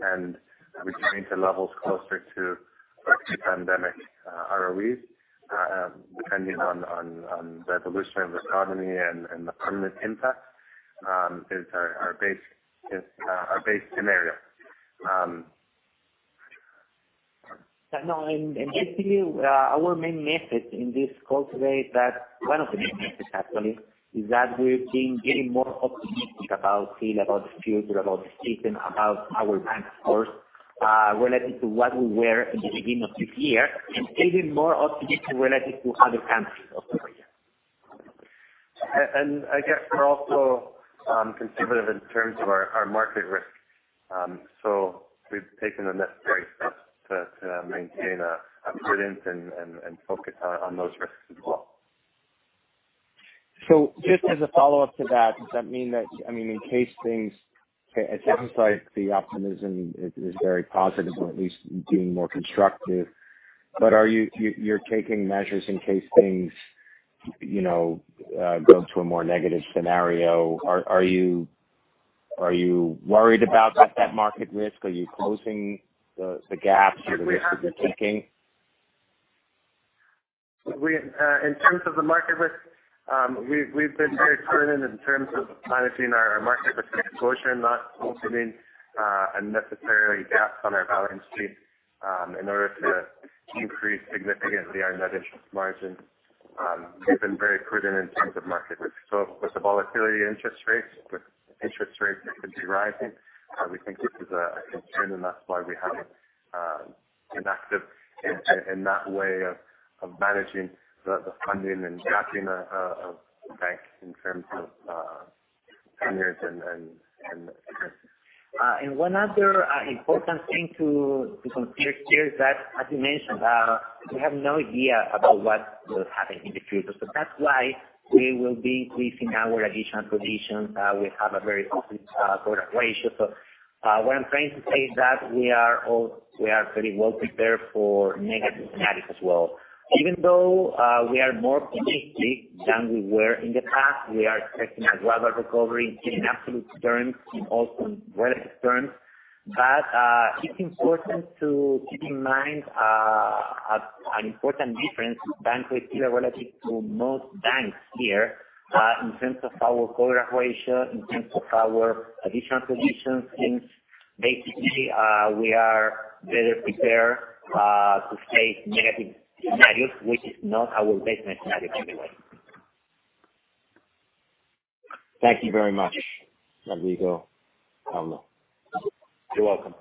and returning to levels closer to pre-pandemic ROEs, depending on the evolution of the economy and the permanent impact, is our base scenario.
No, basically, our main message in this call today is that, one of the main messages actually, is that we've been getting more optimistic about Chile, about the future, about the system, about our bank, of course, relative to what we were in the beginning of this year, and even more optimistic relative to other countries of the region.
I guess we're also conservative in terms of our market risk. We've taken the necessary steps to maintain a prudence and focus on those risks as well.
Just as a follow-up to that, does that mean that, in case things. It sounds like the optimism is very positive, or at least being more constructive. You're taking measures in case things go to a more negative scenario. Are you worried about that market risk? Are you closing the gaps or the risks you're taking?
In terms of the market risk, we've been very prudent in terms of managing our market risk exposure, not opening unnecessary gaps on our balance sheet in order to increase significantly our net interest margin. We've been very prudent in terms of market risk. With the volatility interest rates, with interest rates that could be rising, we think this is a concern, and that's why we have been active in that way of managing the funding and capping the bank in terms of tenures and interest.
One other important thing to consider here is that, as you mentioned, we have no idea about what will happen in the future. That's why we will be increasing our additional provisions. We have a very solid coverage ratio. What I'm trying to say is that we are pretty well prepared for negative scenarios as well. Even though we are more optimistic than we were in the past, we are expecting a global recovery in absolute terms, in also relative terms. It's important to keep in mind an important difference Banco de Chile related to most banks here in terms of our coverage ratio, in terms of our additional provisions. Basically, we are better prepared to face negative scenarios, which is not our base scenario anyway.
Thank you very much, Rodrigo, Pablo.
You're welcome.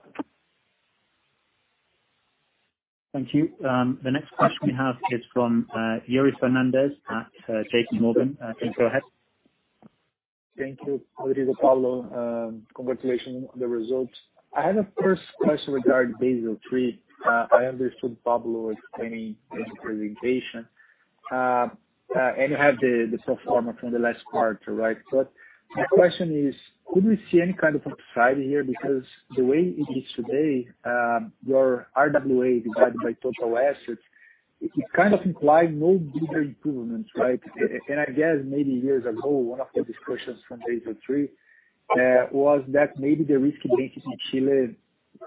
Thank you. The next question we have is from Yuri Fernandes at J.P. Morgan. You can go ahead.
Thank you, Rodrigo, Pablo. Congratulations on the results. I had a first question regarding Basel III. I understood Pablo explaining his presentation. You have the pro forma from the last quarter, right? My question is, could we see any kind of upside here? Because the way it is today, your RWA divided by total assets, it kind of implies no bigger improvements, right? I guess maybe years ago, one of the discussions from Basel III was that maybe the risk weightings in Chile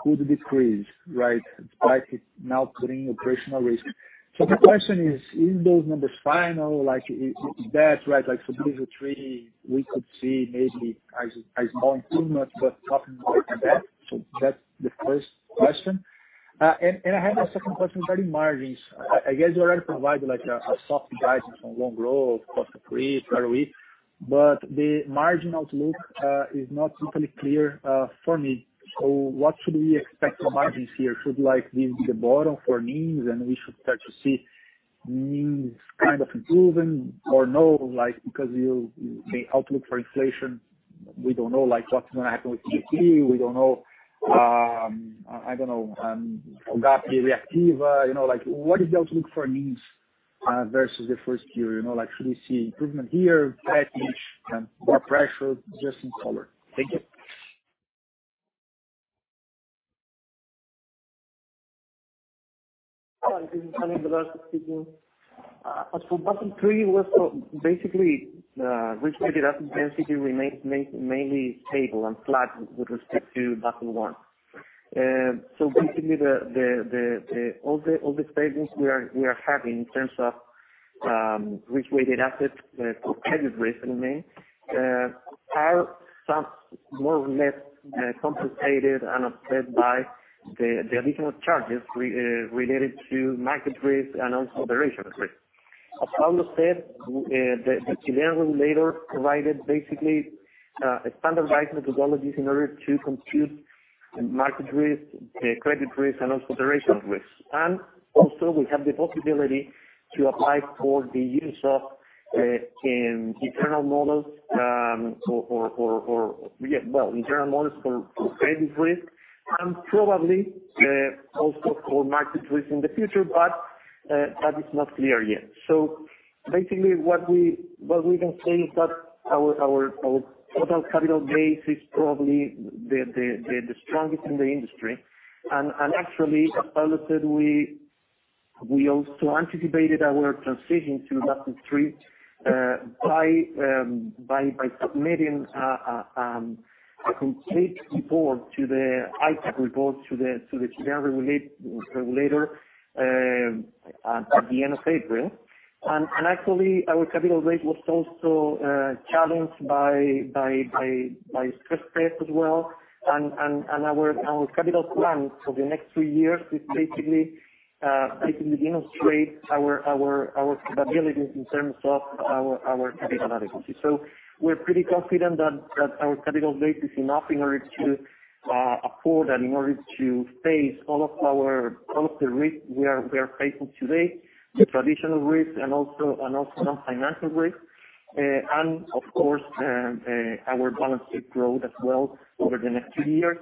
could decrease, right? Despite it now putting operational risk. The question is, are those numbers final? For Basel III, we could see maybe a small improvement, but nothing more than that. That's the first question. I have a second question regarding margins. I guess you already provided a soft guidance on loan growth, cost of risk, ROE, but the marginal outlook is not totally clear for me. What should we expect from margins here? Should this be the bottom for NIMs, and we should start to see NIMs kind of improving or no? The outlook for inflation, we don't know what's going to happen with the GDP. We don't know, FOGAPE Reactiva. What is the outlook for NIMs versus the first quarter? Should we see improvement here, flat-ish, more pressure, just in color? Thank you.
Hi, this is Galarce speaking. As for Basel III, basically, the risk-weighted assets density remains mainly stable and flat with respect to Basel I. Basically, all the savings we are having in terms of risk-weighted assets, credit risk remains, are more or less compensated and offset by the additional charges related to market risk and also operational risk. As Pablo said, the Chilean regulator provided basically standardized methodologies in order to compute market risk, credit risk, and also operational risk. Also, we have the possibility to apply for the use of internal models for credit risk and probably also for market risk in the future, but that is not clear yet. Basically, what we can say is that our total capital base is probably the strongest in the industry. Actually, as Pablo said, we also anticipated our transition to Basel III by submitting a complete report to the ICAAP report to the Chilean regulator at the end of April. Actually, our capital base was also challenged by stress test as well, and our capital plan for the next three years basically demonstrate our capabilities in terms of our capital adequacy. We're pretty confident that our capital base is enough in order to afford and in order to face all of the risk we are facing today, the traditional risk and also some financial risk. Of course, our balanced growth as well over the next few years,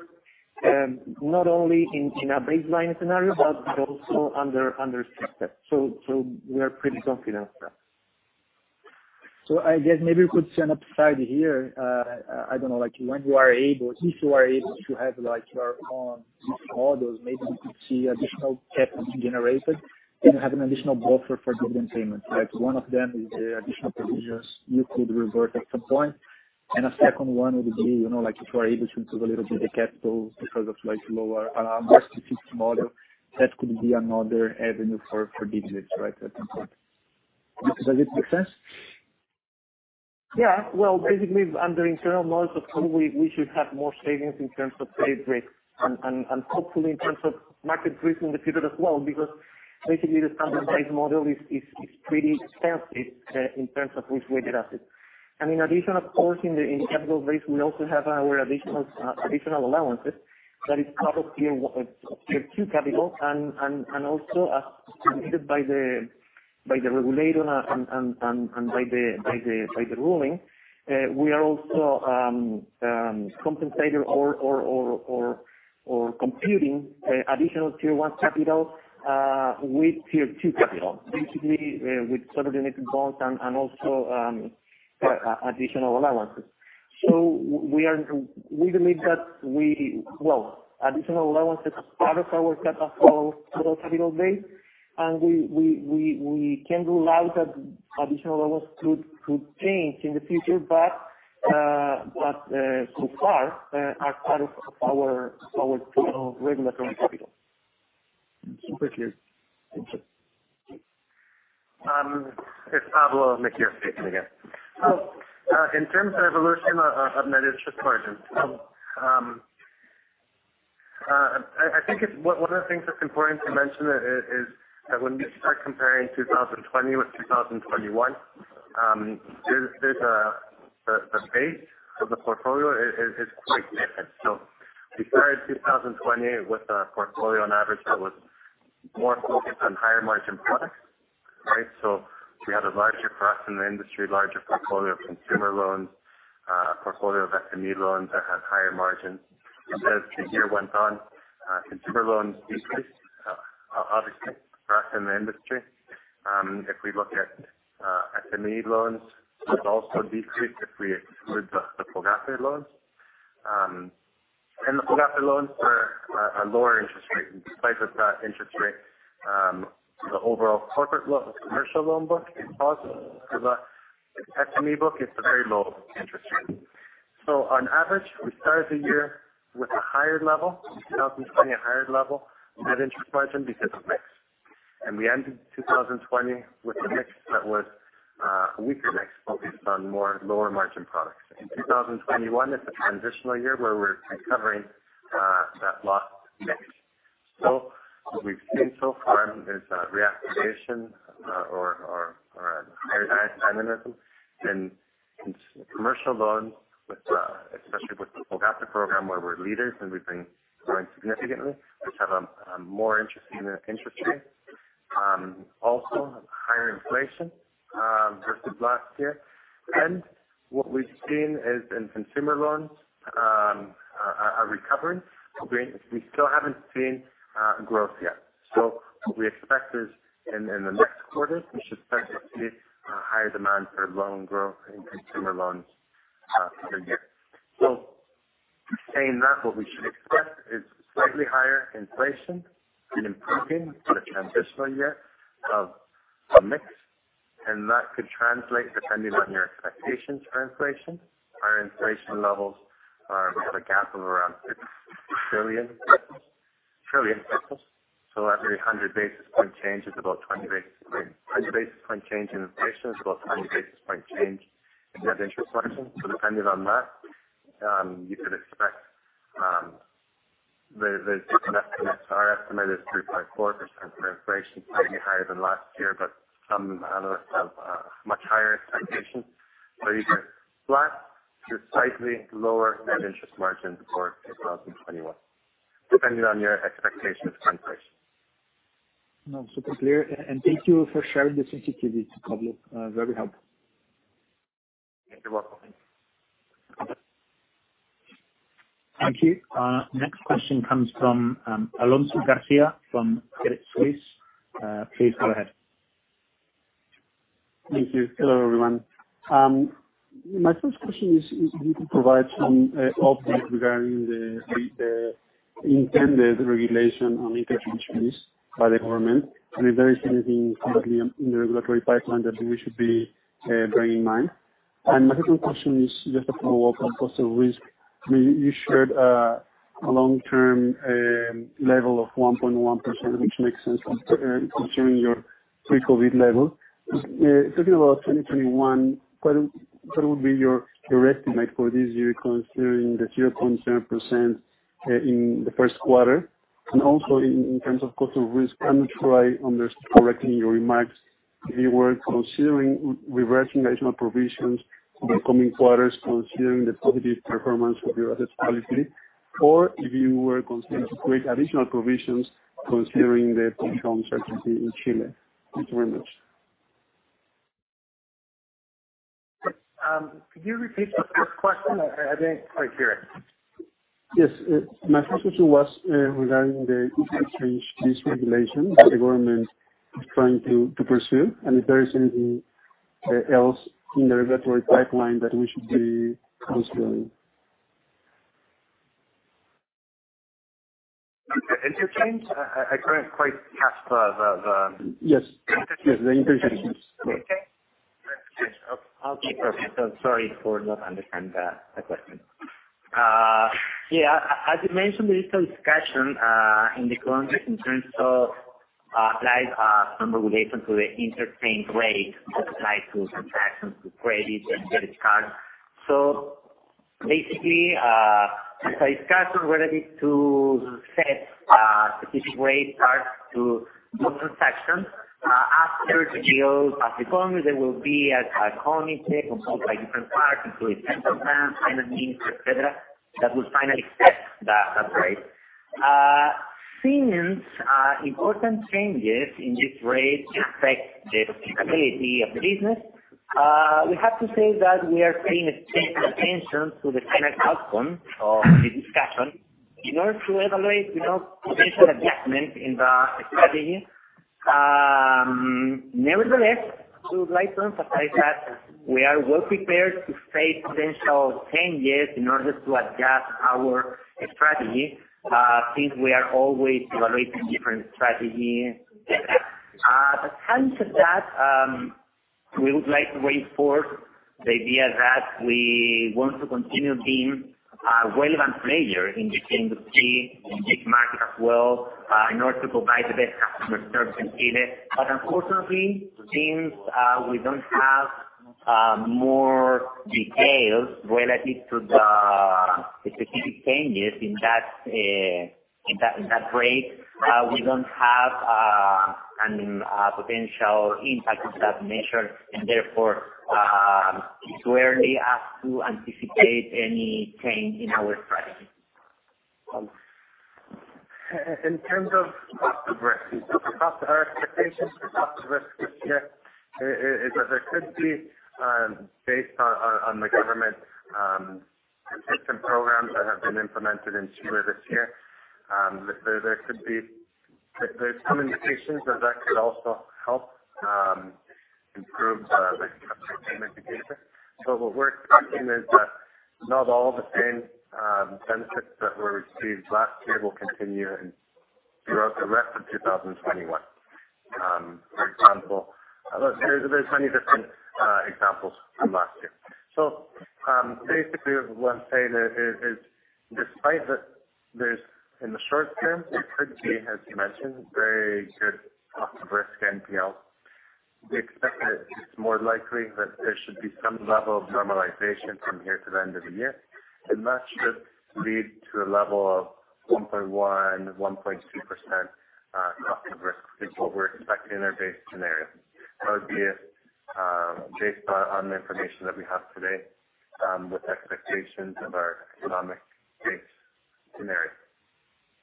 not only in a baseline scenario, but also under stress test. We are pretty confident there.
I guess maybe we could see an upside here. I don't know, if you are able to have your own risk models, maybe we could see additional capital generated, and you have an additional buffer for dividend payments, right? One of them is the additional provisions you could revert at some point. A second one would be, if you are able to improve a little bit the capital because of lower model, that could be another avenue for dividends, right, at some point. Does it make sense?
Yeah. Well, basically, under internal models, of course, we should have more savings in terms of credit risk and hopefully in terms of market risk in the future as well, because basically, the standardized model is pretty expensive in terms of risk-weighted assets. In addition, of course, in capital base, we also have our additional allowances that is part of Tier 2 capital and also as permitted by the regulator and by the ruling, we are also compensated or computing additional Tier 1 capital with Tier 2 capital, basically, with subordinated bonds and also additional allowances. We believe that additional allowance is part of our capital base, and we can't rule out that additional allowance could change in the future, but so far, are part of our total regulatory capital.
Super clear. Thank you.
It's Pablo Mejia again. In terms of evolution of net interest margins, I think one of the things that's important to mention is that when we start comparing 2020 with 2021, the pace of the portfolio is quite different. We started 2020 with a portfolio on average that was more focused on higher margin products. We had a larger price in the industry, larger portfolio of consumer loans a portfolio of SME loans that had higher margins. As the year went on, consumer loans decreased, obviously, across in the industry. If we look at SME loans, which also decreased if we exclude the FOGAPE loans. The FOGAPE loans are a lower interest rate. In spite of that interest rate, the overall corporate commercial loan book is positive. For the SME book, it's a very low interest rate. On average, we started the year with a higher level, in 2020, a higher level net interest margin because of mix. We ended 2020 with a mix that was a weaker mix, focused on more lower margin products. In 2021, it's a transitional year where we're recovering that lost mix. What we've seen so far is a reactivation or a higher dynamism in commercial loans, especially with the FOGAPE program, where we're leaders and we've been growing significantly, which have a more interesting interest rate. Also, higher inflation versus last year. What we've seen is in consumer loans are recovering. We still haven't seen growth yet. We expect this in the next quarter. We should start to see a higher demand for loan growth in consumer loans for the year. Saying that, what we should expect is slightly higher inflation and improving for the transitional year of a mix, and that could translate depending on your expectations for inflation. Our inflation levels are, we have a gap of around 6 trillion pesos. Every 100 basis point change is about 20 basis point change in inflation. It's about 20 basis point change in net interest margin. Depending on that, you could expect the estimates are estimated 3.4% for inflation, slightly higher than last year, but some analysts have much higher expectations. Either flat to slightly lower net interest margin for 2021, depending on your expectations for inflation.
No, super clear, and thank you for sharing this sensitivity to public. Very helpful.
You're welcome.
Thank you. Next question comes from Alonso Garcia from Credit Suisse. Please go ahead.
Thank you. Hello, everyone. My first question is if you could provide some update regarding the intended regulation on interchange fees by the government, and if there is anything currently in the regulatory pipeline that we should be bearing in mind. My second question is just a follow-up on cost of risk. You shared a long-term level of 1.1%, which makes sense considering your pre-COVID level. Thinking about 2021, what would be your estimate for this year considering the 0.7% in the first quarter? Also in terms of cost of risk, I'm not sure I understood correctly in your remarks if you were considering reversing additional provisions in the coming quarters considering the positive performance of your asset quality, or if you were considering to create additional provisions considering the potential uncertainty in Chile. Thank you very much.
Could you repeat the first question? I didn't quite hear it.
Yes. My first question was regarding the interchange fees regulation that the government is trying to pursue, and if there is anything else in the regulatory pipeline that we should be considering.
Interchange? I couldn't quite catch the-
Yes. Yes, the interchange fees.
Okay. Yes. Okay, perfect. Sorry for not understanding the question. Yeah, as you mentioned, there is some discussion in the country in terms of applying some regulation to the interchange rate that applies to transactions to credit and debit cards. Basically, there's a discussion related to set specific rate charges to those transactions. After the Paso a Paso performance, there will be a committee composed by different parts, including central banks, finance minister, et cetera, that will finally set that rate. Important changes in this rate affect the profitability of the business, we have to say that we are paying attention to the final outcome of the discussion in order to evaluate potential adjustment in the strategy. We would like to emphasize that we are well prepared to face potential changes in order to adjust our strategy, since we are always evaluating different strategies, et cetera. In terms of that, we would like to reinforce the idea that we want to continue being a relevant player in this industry, in this market as well, in order to provide the best customer service in Chile. Unfortunately, since we don't have more details relative to the specific changes in that rate, we don't have a potential impact of that measure, and therefore it's early as to anticipate any change in our strategy.
In terms of cost of risk, our expectations for cost of risk this year is that there could be, based on the government protection programs that have been implemented in Chile this year, there are some indications that could also help improve the customer payment behavior. What we are expecting is that not all the same benefits that were received last year will continue throughout the rest of 2021. For example, there are many different examples from last year. Basically what I am saying is, despite that in the short term, it could be, as you mentioned, very good cost of risk NPL. We expect that it is more likely that there should be some level of normalization from here to the end of the year, and that should lead to a level of 1.1%-1.2% cost of risk is what we are expecting in our base scenario. That would be based on the information that we have today, with expectations of our economic base scenario.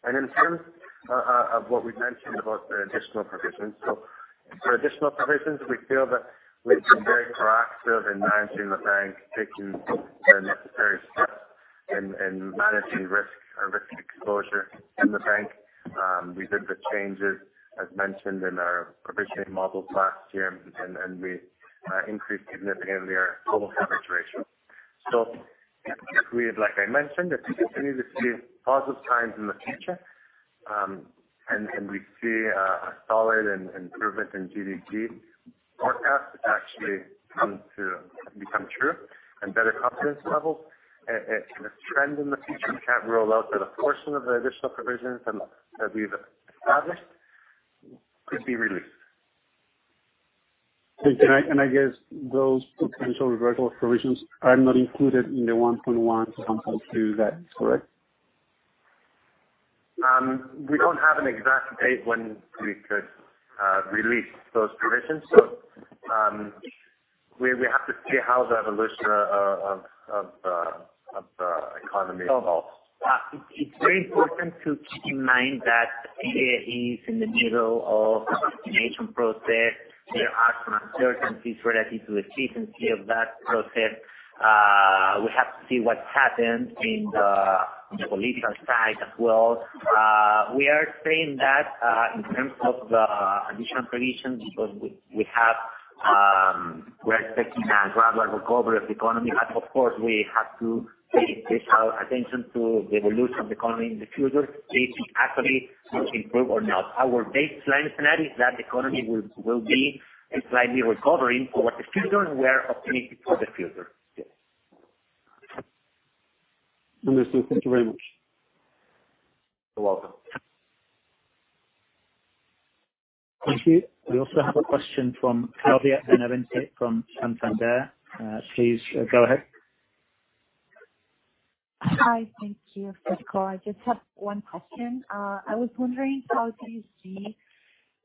In terms of what we've mentioned about the additional provisions, for additional provisions, we feel that we've been very proactive in managing the bank, taking the necessary steps in managing risk or risk exposure in the bank. We did the changes, as mentioned, in our provisioning models last year, and we increased significantly our total coverage ratio. If we, like I mentioned, if we continue to see positive signs in the future, and we see a solid improvement in GDP forecast actually come true and better confidence levels, as a trend in the future, we have rolled out that a portion of the additional provisions that we've established could be released.
I guess those potential reversal provisions are not included in the 1.1%-1.2%. Is that correct?
We don't have an exact date when we could release those provisions. We have to see how the evolution of the economy evolves.
It's very important to keep in mind that Chile is in the middle of a vaccination process. There are some uncertainties relative to efficiency of that process. We have to see what happens in the political side as well. We are saying that, in terms of the additional provisions, because we're expecting a gradual recovery of the economy. Of course, we have to pay attention to the evolution of the economy in the future, if it actually will improve or not. Our baseline scenario is that the economy will be slightly recovering over the future and we are optimistic for the future.
Understood. Thank you very much.
You're welcome.
Thank you. We also have a question from Claudia Benavente from Santander. Please go ahead.
Hi. Thank you, Francisco. I just have one question. I was wondering, how do you see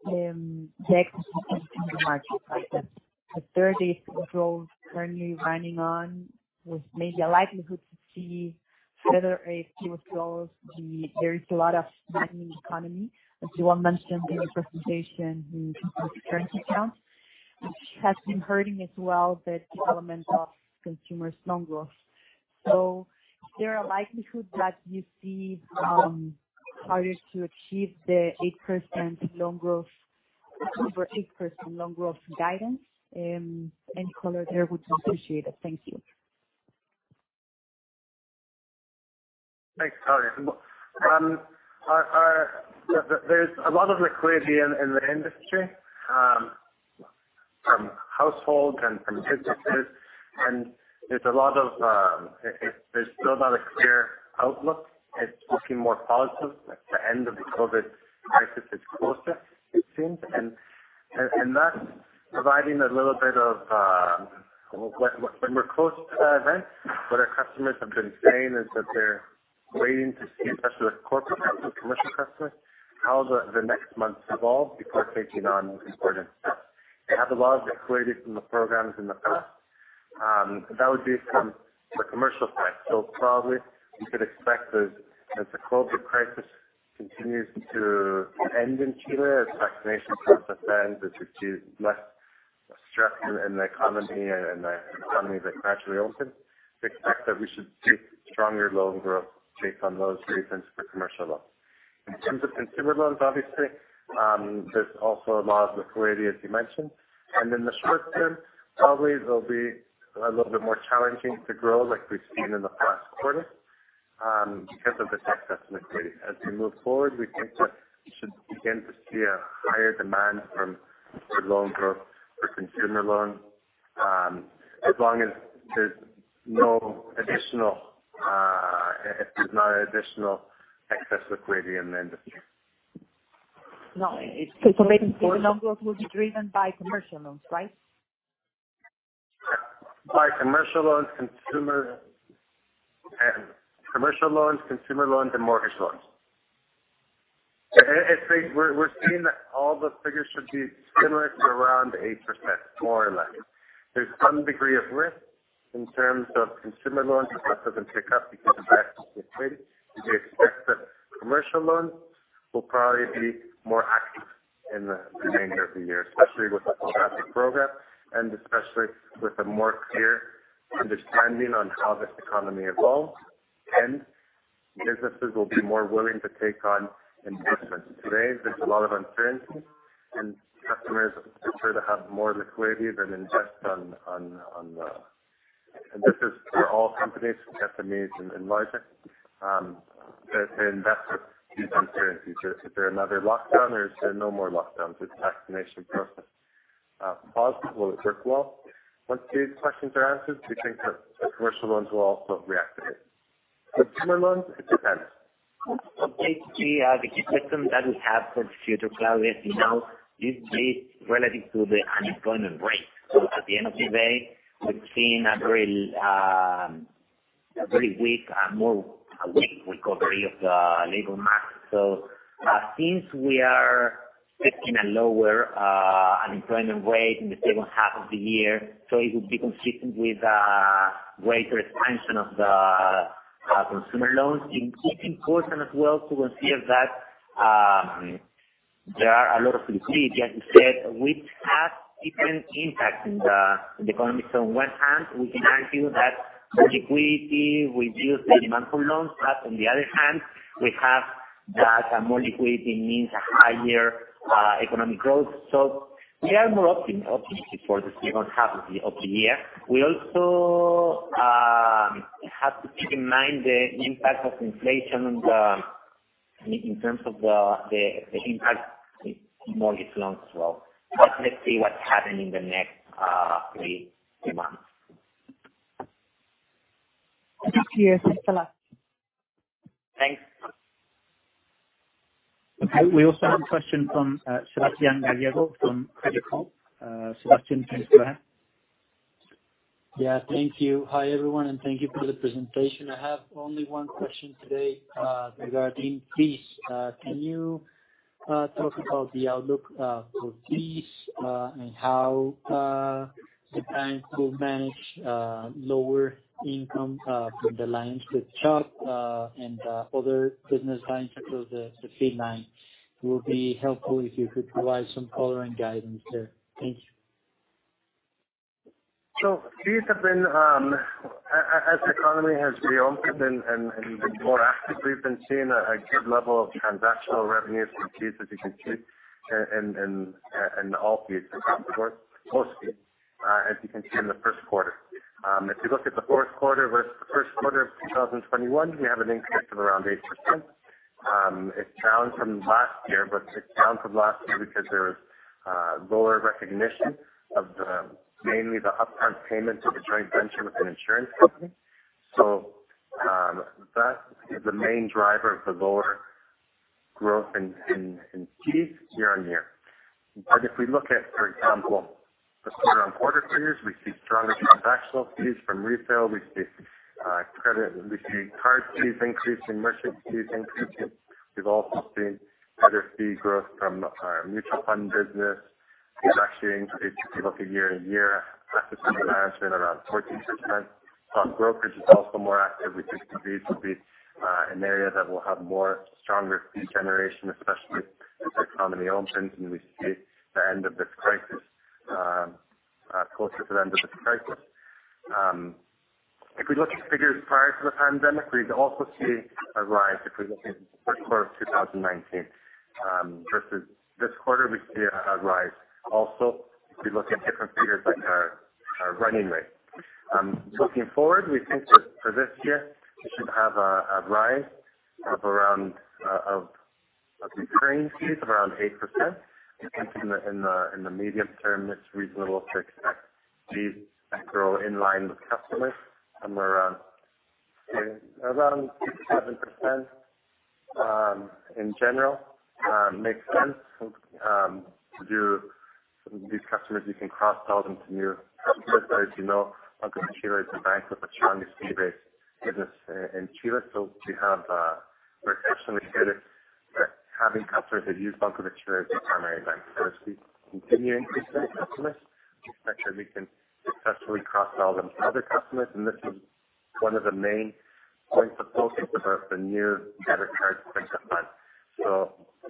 the ex-post in the market prices? The 30 controls currently running on with maybe a likelihood to see further a few controls be there is a lot of tightening economy, as you all mentioned in your presentation in current accounts, which has been hurting as well the development of consumer loan growth. Is there a likelihood that you see harder to achieve the 8% loan growth guidance? Any color there would be appreciated. Thank you.
Thanks, Claudia. There's a lot of liquidity in the industry, from households and from businesses, and there's still not a clear outlook. It's looking more positive, like the end of the COVID crisis is closer, it seems. That's providing. When we're close to that event, what our customers have been saying is that they're waiting to see, especially the corporate customers, commercial customers, how the next months evolve before taking on important steps. They have a lot of liquidity from the programs in the past. That would be from the commercial side. Probably you could expect that as the COVID crisis continues to end in Chile, as vaccination process ends, as we see less stress in the economy, and the economy gradually opens, we expect that we should see stronger loan growth based on those reasons for commercial loans. In terms of consumer loans, obviously, there's also a lot of liquidity, as you mentioned. In the short term, probably they'll be a little bit more challenging to grow like we've seen in the past quarter because of the excess liquidity. As we move forward, we think that we should begin to see a higher demand for loan growth for consumer loans, as long as there's not additional excess liquidity in the industry.
No, it's, so maybe for the loan growth will be driven by commercial loans, right?
By commercial loans, consumer loans, and mortgage loans. We're seeing that all the figures should be similar to around 8%, more or less. There's some degree of risk. In terms of consumer loans, if that doesn't pick up because of high liquidity, we expect that commercial loans will probably be more active in the remainder of the year, especially with the programmatic program and especially with a more clear understanding on how this economy evolves. Businesses will be more willing to take on investments. Today, there's a lot of uncertainty, and customers prefer to have more liquidity than invest. This is for all companies, SMEs and larger, that invest with these uncertainties. Is there another lockdown, or is there no more lockdowns? Is the vaccination process positive? Will it work well? Once these questions are answered, we think that commercial loans will also reactivate. Consumer loans, it depends.
The key question that we have for the future, Claudia, as you know, is based relative to the unemployment rate. At the end of the day, we've seen a very weak recovery of the labor market. Since we are expecting a lower unemployment rate in the second half of the year, so it would be consistent with greater expansion of the consumer loans. It's important as well to consider that there are a lot of liquidity, as you said, which has different impacts in the economy. On one hand, we can argue that more liquidity will reduce the demand for loans. On the other hand, we have that more liquidity means a higher economic growth. We are more optimistic for the second half of the year. We also have to keep in mind the impact of inflation in terms of the impact on mortgage loans as well. Let's see what happens in the next three months.
Back to you. Thanks a lot.
Thanks.
Okay, we also have a question from Sebastian Gallego from Credicorp. Sebastian, please go ahead.
Yeah, thank you. Hi everyone, and thank you for the presentation. I have only one question today regarding fees. Can you talk about the outlook for fees, and how the bank will manage lower income from the lines with checks and other business lines across the fee lines? It will be helpful if you could provide some coloring guidance there. Thank you.
Fees have been, as the economy has reopened and been more active, we've been seeing a good level of transactional revenues from fees, as you can see, in all fees across the board, mostly, as you can see in the first quarter. If you look at the fourth quarter versus the first quarter of 2021, we have an increase of around 8%. It's down from last year, but it's down from last year because there was lower recognition of mainly the upfront payment of the joint venture with an insurance company. That is the main driver of the lower growth in fees year-over-year. If we look at, for example, the quarter-over-quarter figures, we see stronger transactional fees from retail. We see credit, and we see card fees increasing, merchant fees increasing. We've also seen better fee growth from our mutual fund business. Fee actually increased, if you look at year-over-year, asset management around 14%. Stock brokerage is also more active. We think fees will be an area that will have more stronger fee generation, especially as the economy opens and we see the end of this crisis, closer to the end of this crisis. If we look at figures prior to the pandemic, we also see a rise. If we look at the Q1 2019 versus this quarter, we see a rise also if you look at different figures like our running rate. Looking forward, we think that for this year, we should have a rise of recurring fees of around 8%. I think in the medium term, it's reasonable to expect fees that grow in line with customers, somewhere around 6%-7% in general. Makes sense. These customers, you can cross-sell them to new customers. As you know, Banco de Chile is a bank with a strong fee-based business in Chile. We have very customer-oriented. We are having customers that use Banco de Chile as their primary bank. As we continue to increase our customers, we expect that we can successfully cross-sell them to other customers, and this is one of the main points of focus of the new debit card switch of funds.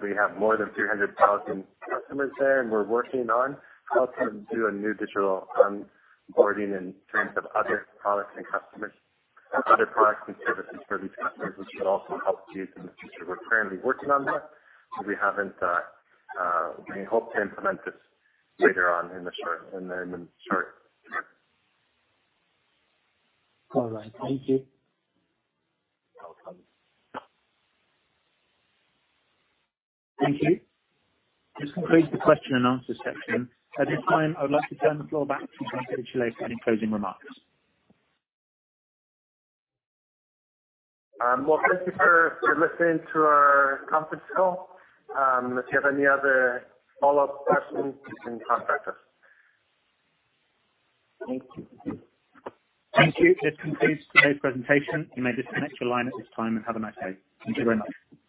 We have more than 300,000 customers there, and we're working on how to do a new digital onboarding in terms of other products and services for these customers, which should also help fees in the future. We're currently working on that. We hope to implement this later on in the short term.
All right. Thank you.
You're welcome.
Thank you. This concludes the question and answer section. At this time, I would like to turn the floor back to Pablo Mejia for any closing remarks.
Well, thank you for listening to our conference call. If you have any other follow-up questions, you can contact us.
Thank you. This concludes today's presentation. You may disconnect your line at this time. Have a nice day. Thank you very much.